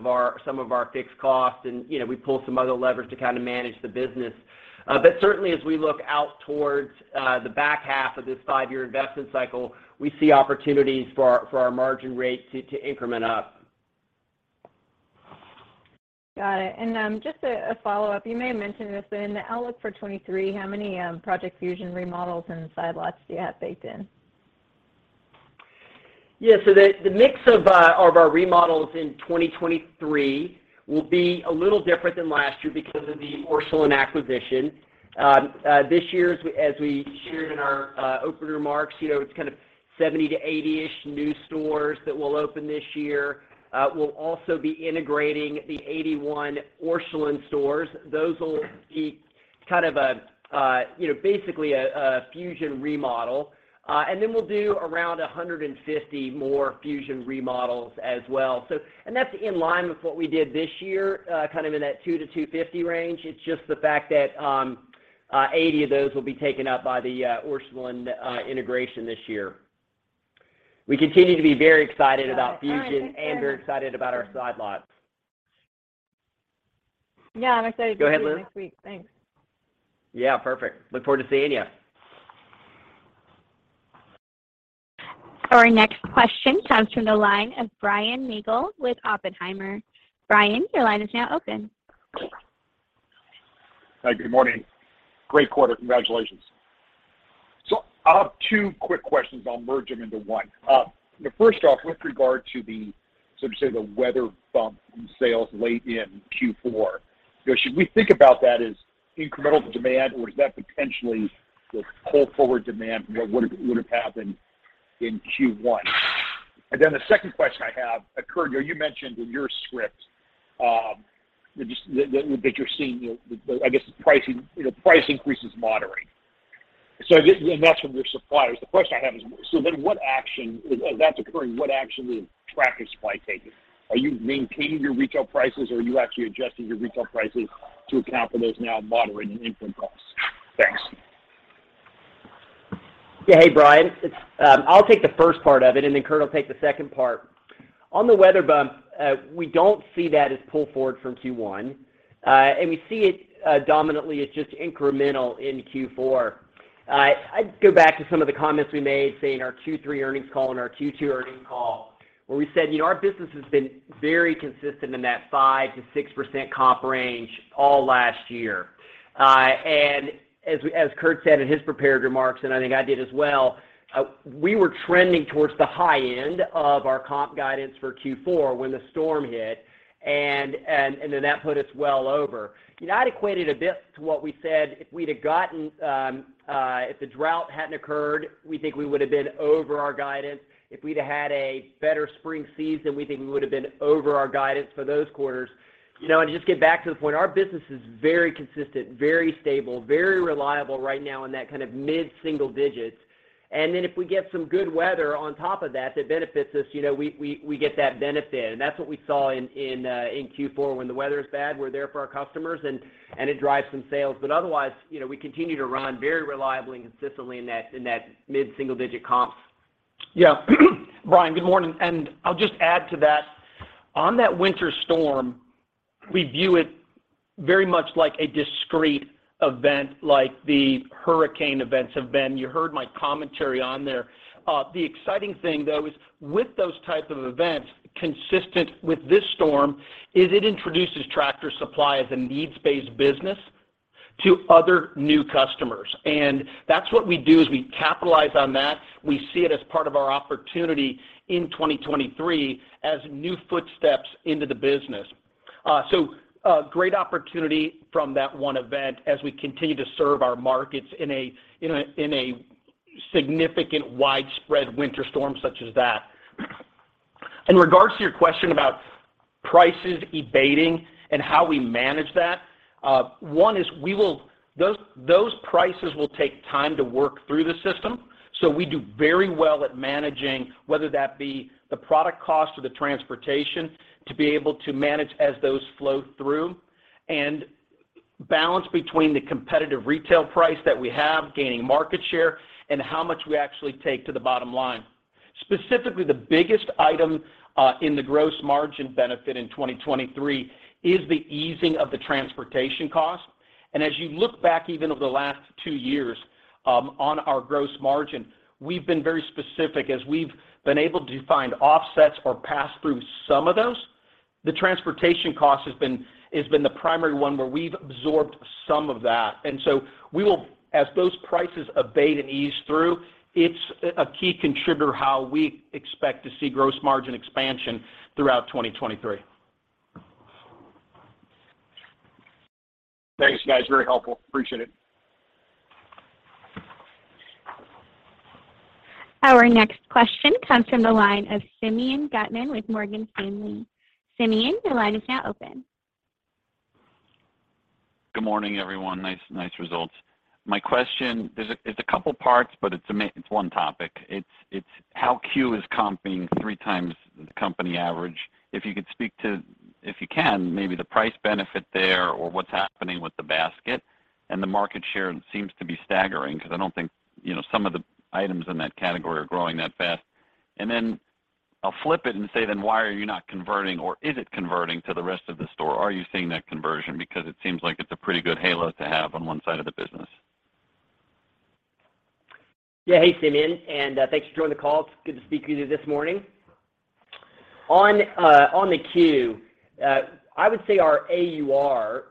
of our fixed costs and, you know, we pull some other levers to kind of manage the business. Certainly as we look out towards the back half of this 5-year investment cycle, we see opportunities for our margin rate to increment up. Got it. Just a follow-up. You may have mentioned this, but in the outlook for 23, how many Project Fusion remodels and side lots do you have baked in? Yeah. The mix of our remodels in 2023 will be a little different than last year because of the Orscheln acquisition. This year as we, as we shared in our opening remarks, you know, it's kind of 70-80-ish new stores that we'll open this year. We'll also be integrating the 81 Orscheln stores. Those will be kind of a, you know, basically a Fusion remodel. Then we'll do around 150 more Fusion remodels as well. That's in line with what we did this year, kind of in that 200-250 range. It's just the fact that 80 of those will be taken up by the Orscheln integration this year. We continue to be very excited about Fusion- Got it. All right. Thanks, Hal.... and very excited about our side lots. Yeah, I'm excited-. Go ahead, Liz to meet you next week. Thanks. Yeah. Perfect. Look forward to seeing you. Our next question comes from the line of Brian Nagel with Oppenheimer. Brian, your line is now open. Hi, good morning. Great quarter. Congratulations. I'll have two quick questions. I'll merge them into one. First off, with regard to the, so to say, the weather bump in sales late in Q4, you know, should we think about that as incremental demand or is that potentially this pull forward demand from what would have happened in Q1? The second question I have, Kurt, you know, you mentioned in your script, just that you're seeing the, I guess pricing, you know, price increases moderating. I guess, and that's from your suppliers. The question I have is, If that's occurring, what action is Tractor Supply taking? Are you maintaining your retail prices or are you actually adjusting your retail prices to account for those now moderating input costs? Thanks. Yeah. Hey, Brian. It's, I'll take the first part of it and then Kurt will take the second part. On the weather bump, we don't see that as pull forward from Q1. We see it, dominantly as just incremental in Q4. I'd go back to some of the comments we made, say, in our Q3 earnings call and our Q2 earnings call, where we said, you know, our business has been very consistent in that 5%-6% comp range all last year. As, as Kurt said in his prepared remarks, and I think I did as well, we were trending towards the high end of our comp guidance for Q4 when the storm hit and then that put us well over. You know, I'd equate it a bit to what we said. If the drought hadn't occurred, we think we would have been over our guidance. If we'd have had a better spring season, we think we would have been over our guidance for those quarters. You know, just get back to the point, our business is very consistent, very stable, very reliable right now in that kind of mid-single digits. Then if we get some good weather on top of that benefits us. You know, we get that benefit. That's what we saw in Q4. When the weather's bad, we're there for our customers and it drives some sales. Otherwise, you know, we continue to run very reliably and consistently in that, in that mid-single digit comps. Yeah. Brian, good morning. I'll just add to that. On that winter storm. We view it very much like a discrete event, like the hurricane events have been. You heard my commentary on there. The exciting thing though is with those type of events consistent with this storm is it introduces Tractor Supply as a needs-based business to other new customers. That's what we do, is we capitalize on that. We see it as part of our opportunity in 2023 as new footsteps into the business. A great opportunity from that one event as we continue to serve our markets in a significant widespread winter storm such as that. In regards to your question about prices abating and how we manage that, one is those prices will take time to work through the system, so we do very well at managing whether that be the product cost or the transportation to be able to manage as those flow through and balance between the competitive retail price that we have gaining market share and how much we actually take to the bottom line. Specifically, the biggest item in the gross margin benefit in 2023 is the easing of the transportation cost. As you look back even over the last two years, on our gross margin, we've been very specific as we've been able to find offsets or pass through some of those. The transportation cost has been the primary one where we've absorbed some of that. As those prices abate and ease through, it's a key contributor how we expect to see gross margin expansion throughout 2023. Thanks, guys. Very helpful. Appreciate it. Our next question comes from the line of Simeon Gutman with Morgan Stanley. Simeon, your line is now open. Good morning, everyone. Nice results. My question, it's a couple parts, but it's one topic. It's how C.U.E. is comping three times the company average. If you could speak to, if you can, maybe the price benefit there or what's happening with the basket and the market share seems to be staggering because I don't think, you know, some of the items in that category are growing that fast. I'll flip it and say, why are you not converting or is it converting to the rest of the store? Are you seeing that conversion? It seems like it's a pretty good halo to have on one side of the business. Hey, Simeon, thanks for joining the call. It's good to speak with you this morning. On the Q, I would say our AUR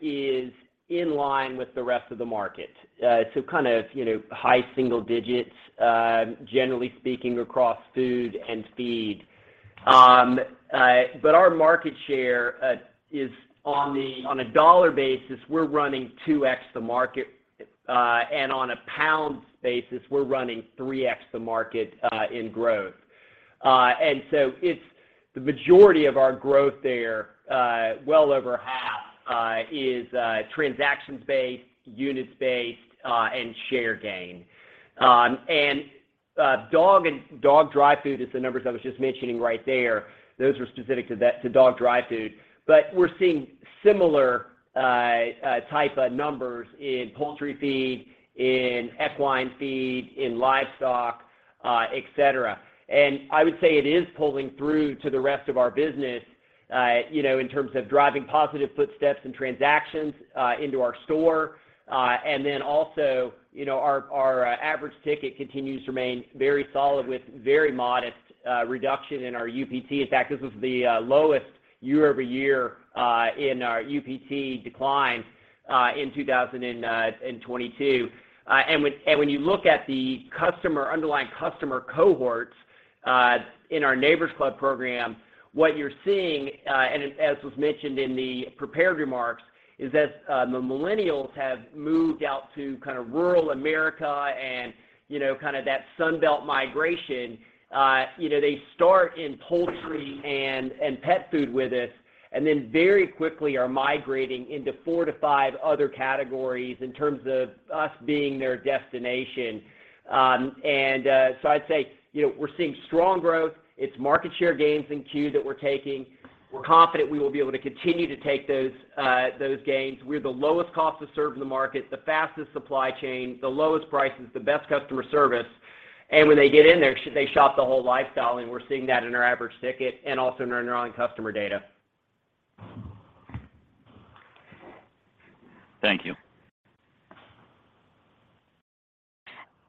is in line with the rest of the market. Kind of, you know, high single digits, generally speaking across food and feed. Our market share is on a dollar basis, we're running 2x the market, and on a pound basis, we're running 3x the market in growth. It's the majority of our growth there, well over half, is transactions based, units based, and share gain. Dog dry food is the numbers I was just mentioning right there. Those are specific to dog dry food. We're seeing similar type of numbers in poultry feed, in equine feed, in livestock, et cetera. I would say it is pulling through to the rest of our business, you know, in terms of driving positive footsteps and transactions into our store. Then also, you know, our average ticket continues to remain very solid with very modest reduction in our UPT. In fact, this was the lowest year-over-year in our UPT decline in 2022. When you look at the underlying customer cohorts in our Neighbor's Club program, what you're seeing, and as was mentioned in the prepared remarks, is that the millennials have moved out to kind of rural America and, you know, kind of that Sun Belt migration. you know, they start in poultry and pet food with us, and then very quickly are migrating into 4-5 other categories in terms of us being their destination. I'd say, you know, we're seeing strong growth. It's market share gains in C.U.E. that we're taking. We're confident we will be able to continue to take those gains. We have the lowest cost to serve the market, the fastest supply chain, the lowest prices, the best customer service. When they get in there, they shop the whole lifestyle, and we're seeing that in our average ticket and also in our underlying customer data. Thank you.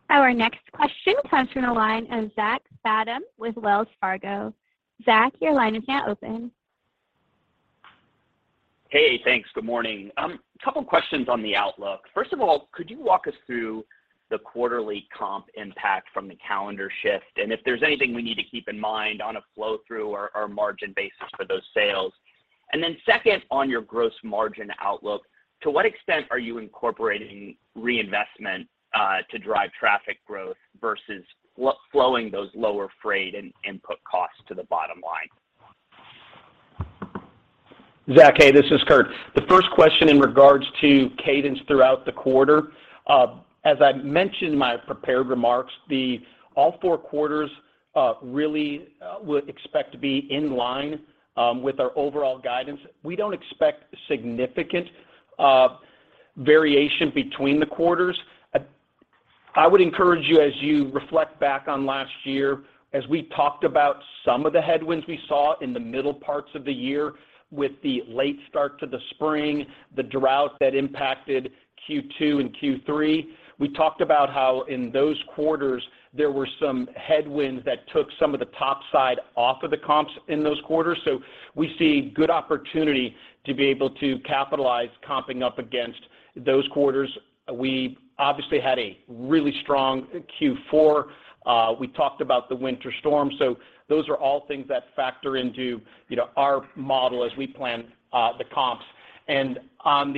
Our next question comes from the line of Zach Fadem with Wells Fargo. Zach, your line is now open. Hey, thanks. Good morning. Couple questions on the outlook. First of all, could you walk us through the quarterly comp impact from the calendar shift and if there's anything we need to keep in mind on a flow-through or margin basis for those sales? Second, on your gross margin outlook, to what extent are you incorporating reinvestment to drive traffic growth versus flowing those lower freight and input costs to the bottom line? Zach, hey, this is Kurt. The first question in regards to cadence throughout the quarter. As I mentioned in my prepared remarks, the all four quarters, really, we expect to be in line with our overall guidance. We don't expect significant variation between the quarters. I would encourage you as you reflect back on last year, as we talked about some of the headwinds we saw in the middle parts of the year with the late start to the spring, the drought that impacted Q2 and Q3. We talked about how in those quarters there were some headwinds that took some of the top side off of the comps in those quarters. We see good opportunity to be able to capitalize comping up against those quarters. We obviously had a really strong Q4. We talked about the Winter Storm. Those are all things that factor into, you know, our model as we plan the comps. On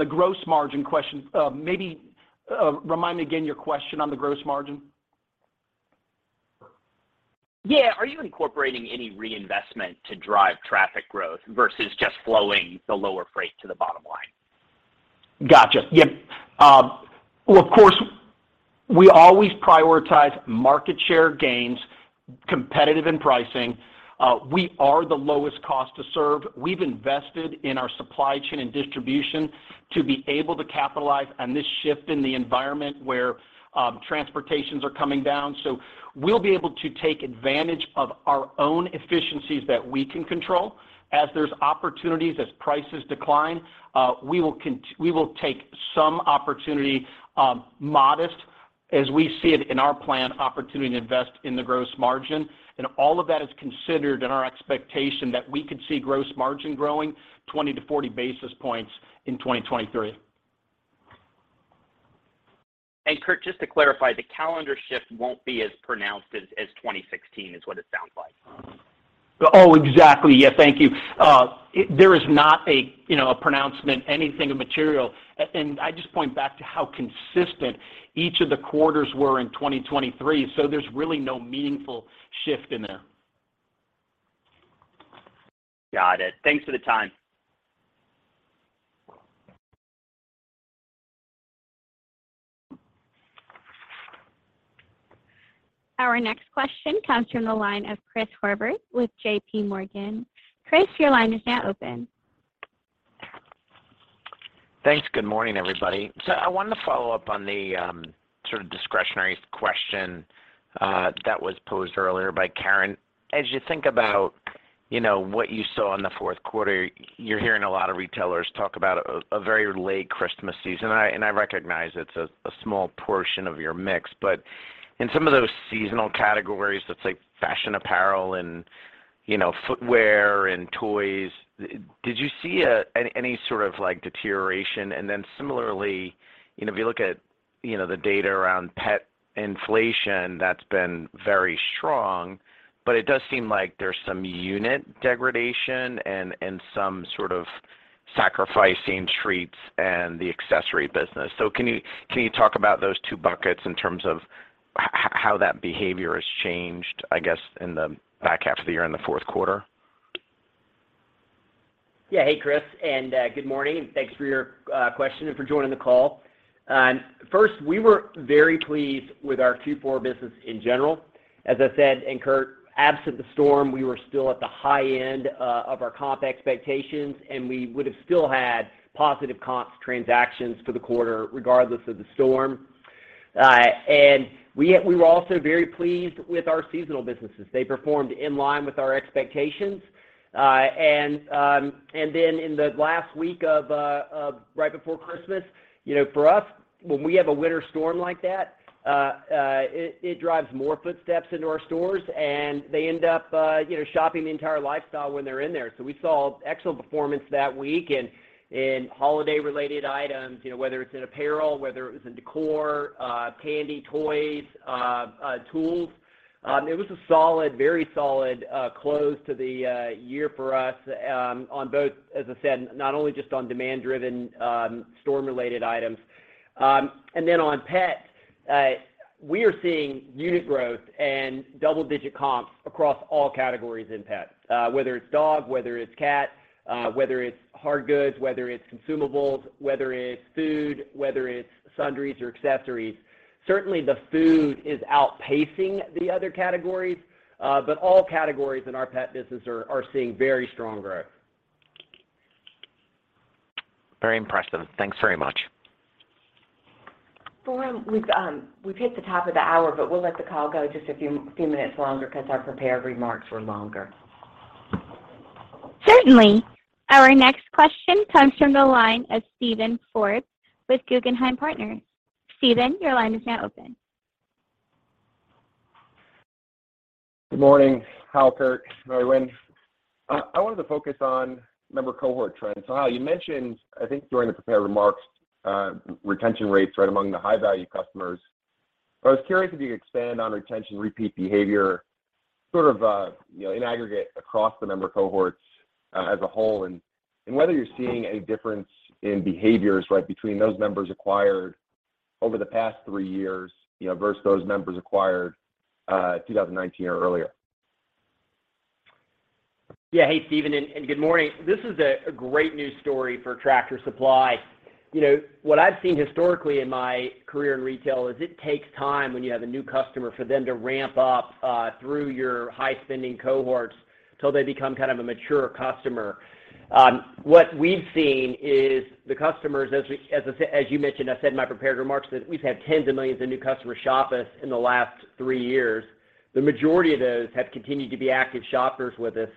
the gross margin question, maybe remind me again your question on the gross margin. Yeah. Are you incorporating any reinvestment to drive traffic growth versus just flowing the lower freight to the bottom line? Gotcha. Yep. Well, of course, we always prioritize market share gains, competitive in pricing. We are the lowest cost to serve. We've invested in our supply chain and distribution to be able to capitalize on this shift in the environment where transportations are coming down. We'll be able to take advantage of our own efficiencies that we can control. As there's opportunities, as prices decline, we will take some opportunity, modest as we see it in our plan, opportunity to invest in the gross margin. All of that is considered in our expectation that we could see gross margin growing 20-40 basis points in 2023. Kurt, just to clarify, the calendar shift won't be as pronounced as 2016 is what it sounds like. Oh, exactly, yeah. Thank you. There is not a, you know, a pronouncement, anything of material. I just point back to how consistent each of the quarters were in 2023. There's really no meaningful shift in there. Got it. Thanks for the time. Our next question comes from the line of Chris Horvers with JPMorgan. Chris, your line is now open. Thanks. Good morning, everybody. I wanted to follow up on the sort of discretionary question that was posed earlier by Karen. As you think about, you know, what you saw in the fourth quarter, you're hearing a lot of retailers talk about a very late Christmas season. I recognize it's a small portion of your mix, but in some of those seasonal categories, let's say, fashion apparel and, you know, footwear and toys, did you see any sort of, like, deterioration? Similarly, you know, if you look at, you know, the data around pet inflation, that's been very strong, but it does seem like there's some unit degradation and some sort of sacrificing treats and the accessory business. Can you talk about those two buckets in terms of how that behavior has changed, I guess, in the back half of the year in the fourth quarter? Hey, Chris. Good morning, and thanks for your question and for joining the call. First, we were very pleased with our Q4 business in general. As I said, Kurt, absent the storm, we were still at the high end of our comp expectations, and we would have still had positive comps transactions for the quarter regardless of the storm. We were also very pleased with our seasonal businesses. They performed in line with our expectations. Then in the last week of right before Christmas, you know, for us, when we have a winter storm like that, it drives more footsteps into our stores, and they end up, you know, shopping the entire lifestyle when they're in there. We saw excellent performance that week in holiday-related items, you know, whether it's in apparel, whether it was in decor, candy, toys, tools. It was a solid, very solid close to the year for us, on both, as I said, not only just on demand-driven, storm-related items. On pets, we are seeing unit growth and double-digit comps across all categories in pets, whether it's dog, whether it's cat, whether it's hard goods, whether it's consumables, whether it's food, whether it's sundries or accessories. Certainly, the food is outpacing the other categories, but all categories in our pet business are seeing very strong growth. Very impressive. Thanks very much. Lauren, we've hit the top of the hour, but we'll let the call go just a few minutes longer because our prepared remarks were longer. Certainly. Our next question comes from the line of Steven Forbes with Guggenheim Partners. Steven, your line is now open. Good morning, Hal, Kurt, Mary Winn. I wanted to focus on member cohort trends. Hal, you mentioned, I think during the prepared remarks, retention rates, right, among the high-value customers. I was curious if you could expand on retention repeat behavior sort of, you know, in aggregate across the member cohorts, as a whole, and whether you're seeing a difference in behaviors, right, between those members acquired over the past three years, you know, versus those members acquired, 2019 or earlier. Hey, Steven, and good morning. This is a great news story for Tractor Supply. You know, what I've seen historically in my career in retail is it takes time when you have a new customer for them to ramp up through your high-spending cohorts. Till they become kind of a mature customer. What we've seen is the customers as you mentioned, I said in my prepared remarks that we've had tens of millions of new customers shop us in the last three years. The majority of those have continued to be active shoppers with us,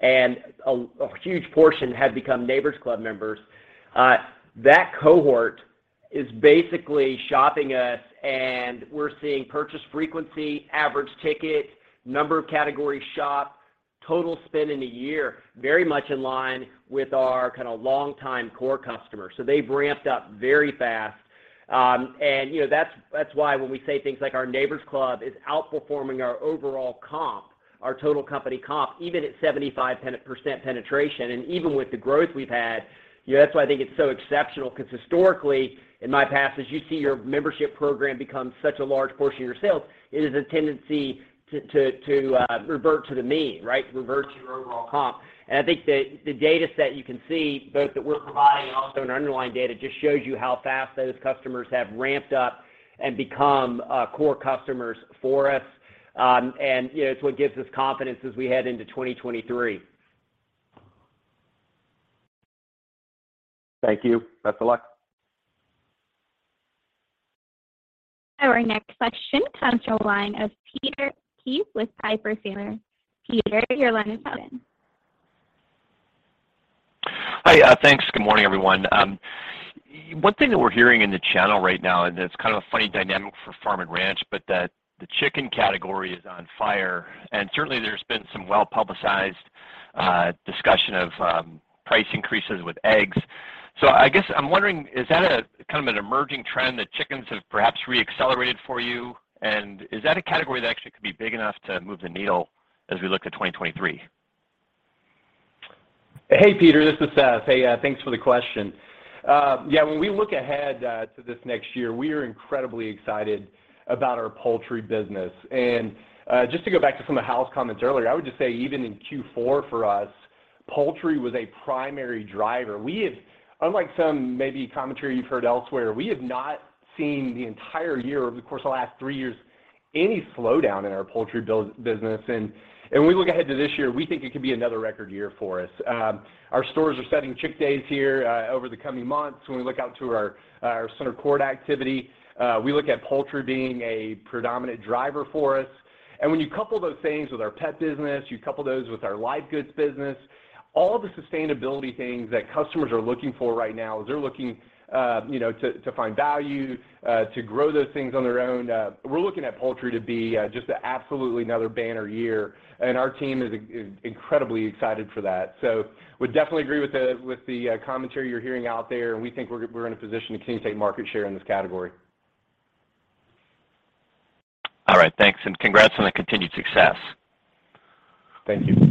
and a huge portion have become Neighbor's Club members. That cohort is basically shopping us, and we're seeing purchase frequency, average ticket, number of categories shopped, total spend in a year, very much in line with our kinda longtime core customers. They've ramped up very fast. You know, that's why when we say things like our Neighbors Club is outperforming our overall comp, our total company comp, even at 75% penetration and even with the growth we've had, you know, that's why I think it's so exceptional because historically, in my past, as you see your membership program become such a large portion of your sales, it is a tendency to revert to the mean, right? Revert to your overall comp. I think the data set you can see both that we're providing and also in our underlying data just shows you how fast those customers have ramped up and become core customers for us. You know, it's what gives us confidence as we head into 2023. Thank you. Best of luck. Our next question comes from the line of Peter Keith with Piper Sandler. Peter, your line is open. Hi. Thanks. Good morning, everyone. One thing that we're hearing in the channel right now, it's kind of a funny dynamic for farm and ranch, but the chicken category is on fire, certainly there's been some well-publicized discussion of price increases with eggs. I guess I'm wondering, is that a kind of an emerging trend that chickens have perhaps re-accelerated for you? Is that a category that actually could be big enough to move the needle as we look to 2023? Hey, Peter. This is Seth. Hey, thanks for the question. When we look ahead to this next year, we are incredibly excited about our poultry business. Just to go back to some of Hal's comments earlier, I would just say even in Q4 for us, poultry was a primary driver. We have, unlike some maybe commentary you've heard elsewhere, we have not seen the entire year, over the course of the last three years, any slowdown in our poultry business. When we look ahead to this year, we think it could be another record year for us. Our stores are setting Chick Days here over the coming months. When we look out to our center court activity, we look at poultry being a predominant driver for us. When you couple those things with our pet business, you couple those with our live goods business, all the sustainability things that customers are looking for right now as they're looking, you know, to find value, to grow those things on their own, we're looking at poultry to be just absolutely another banner year. Our team is incredibly excited for that. Would definitely agree with the commentary you're hearing out there, and we think we're in a position to continue to take market share in this category. All right, thanks. Congrats on the continued success. Thank you.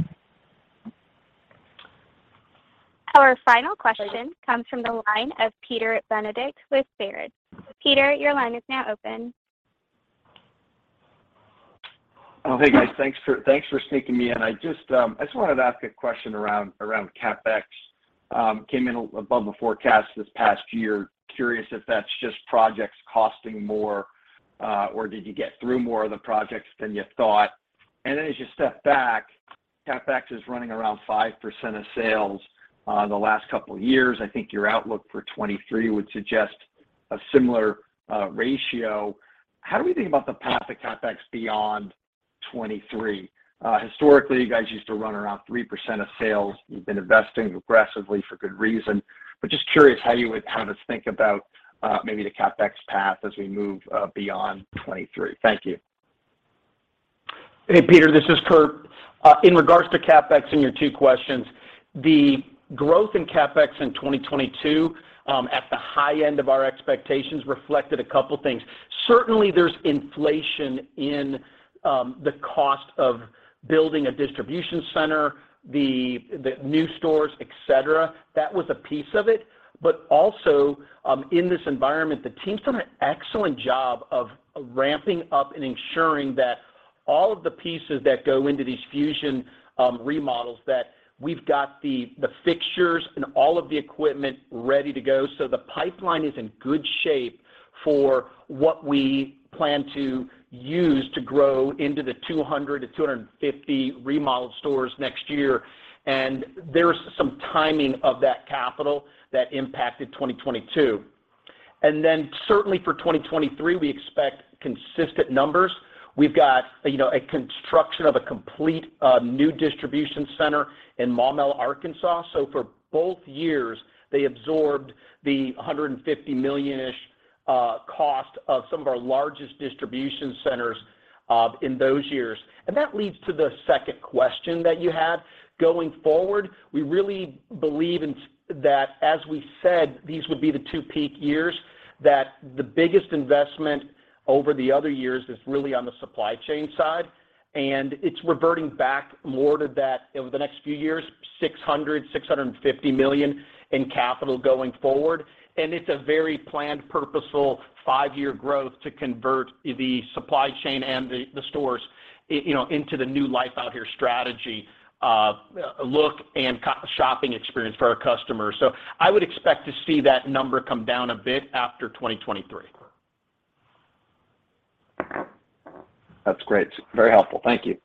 Our final question comes from the line of Peter Benedict with Baird. Peter, your line is now open. Oh, hey, guys. Thanks for sneaking me in. I just wanted to ask a question around CapEx. Came in above the forecast this past year. Curious if that's just projects costing more, or did you get through more of the projects than you thought? As you step back, CapEx is running around 5% of sales, the last couple years. I think your outlook for 2023 would suggest a similar ratio. How do we think about the path of CapEx beyond 2023? Historically, you guys used to run around 3% of sales. You've been investing aggressively for good reason. Just curious how you would have us think about maybe the CapEx path as we move beyond 2023. Thank you. Hey, Peter, this is Kurt. In regards to CapEx and your two questions, the growth in CapEx in 2022, at the high end of our expectations reflected a couple things. Certainly, there's inflation in the cost of building a distribution center, the new stores, et cetera. That was a piece of it. Also, in this environment, the team's done an excellent job of ramping up and ensuring that all of the pieces that go into these Project Fusion remodels, that we've got the fixtures and all of the equipment ready to go. The pipeline is in good shape for what we plan to use to grow into the 200-250 remodeled stores next year. There's some timing of that capital that impacted 2022. Certainly for 2023, we expect consistent numbers. We've got, you know, a construction of a complete, new distribution center in Maumelle, Arkansas. For both years, they absorbed the $150 million-ish cost of some of our largest distribution centers in those years. That leads to the second question that you had. Going forward, we really believe in that as we said these would be the two peak years, that the biggest investment over the other years is really on the supply chain side, and it's reverting back more to that over the next few years, $600 million-$650 million in capital going forward. It's a very planned, purposeful five-year growth to convert the supply chain and the stores you know, into the new Life Out Here strategy of look and shopping experience for our customers. I would expect to see that number come down a bit after 2023. That's great. Very helpful. Thank you.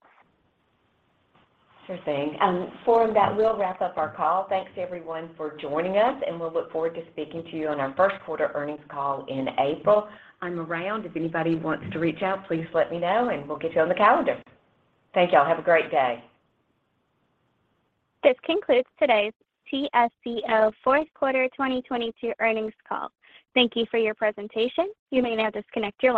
Sure thing. For that, we'll wrap up our call. Thanks, everyone, for joining us, and we'll look forward to speaking to you on our first quarter earnings call in April. I'm around. If anybody wants to reach out, please let me know, and we'll get you on the calendar. Thank y'all. Have a great day. This concludes today's TSCO fourth quarter 2022 earnings call. Thank you for your presentation. You may now disconnect your lines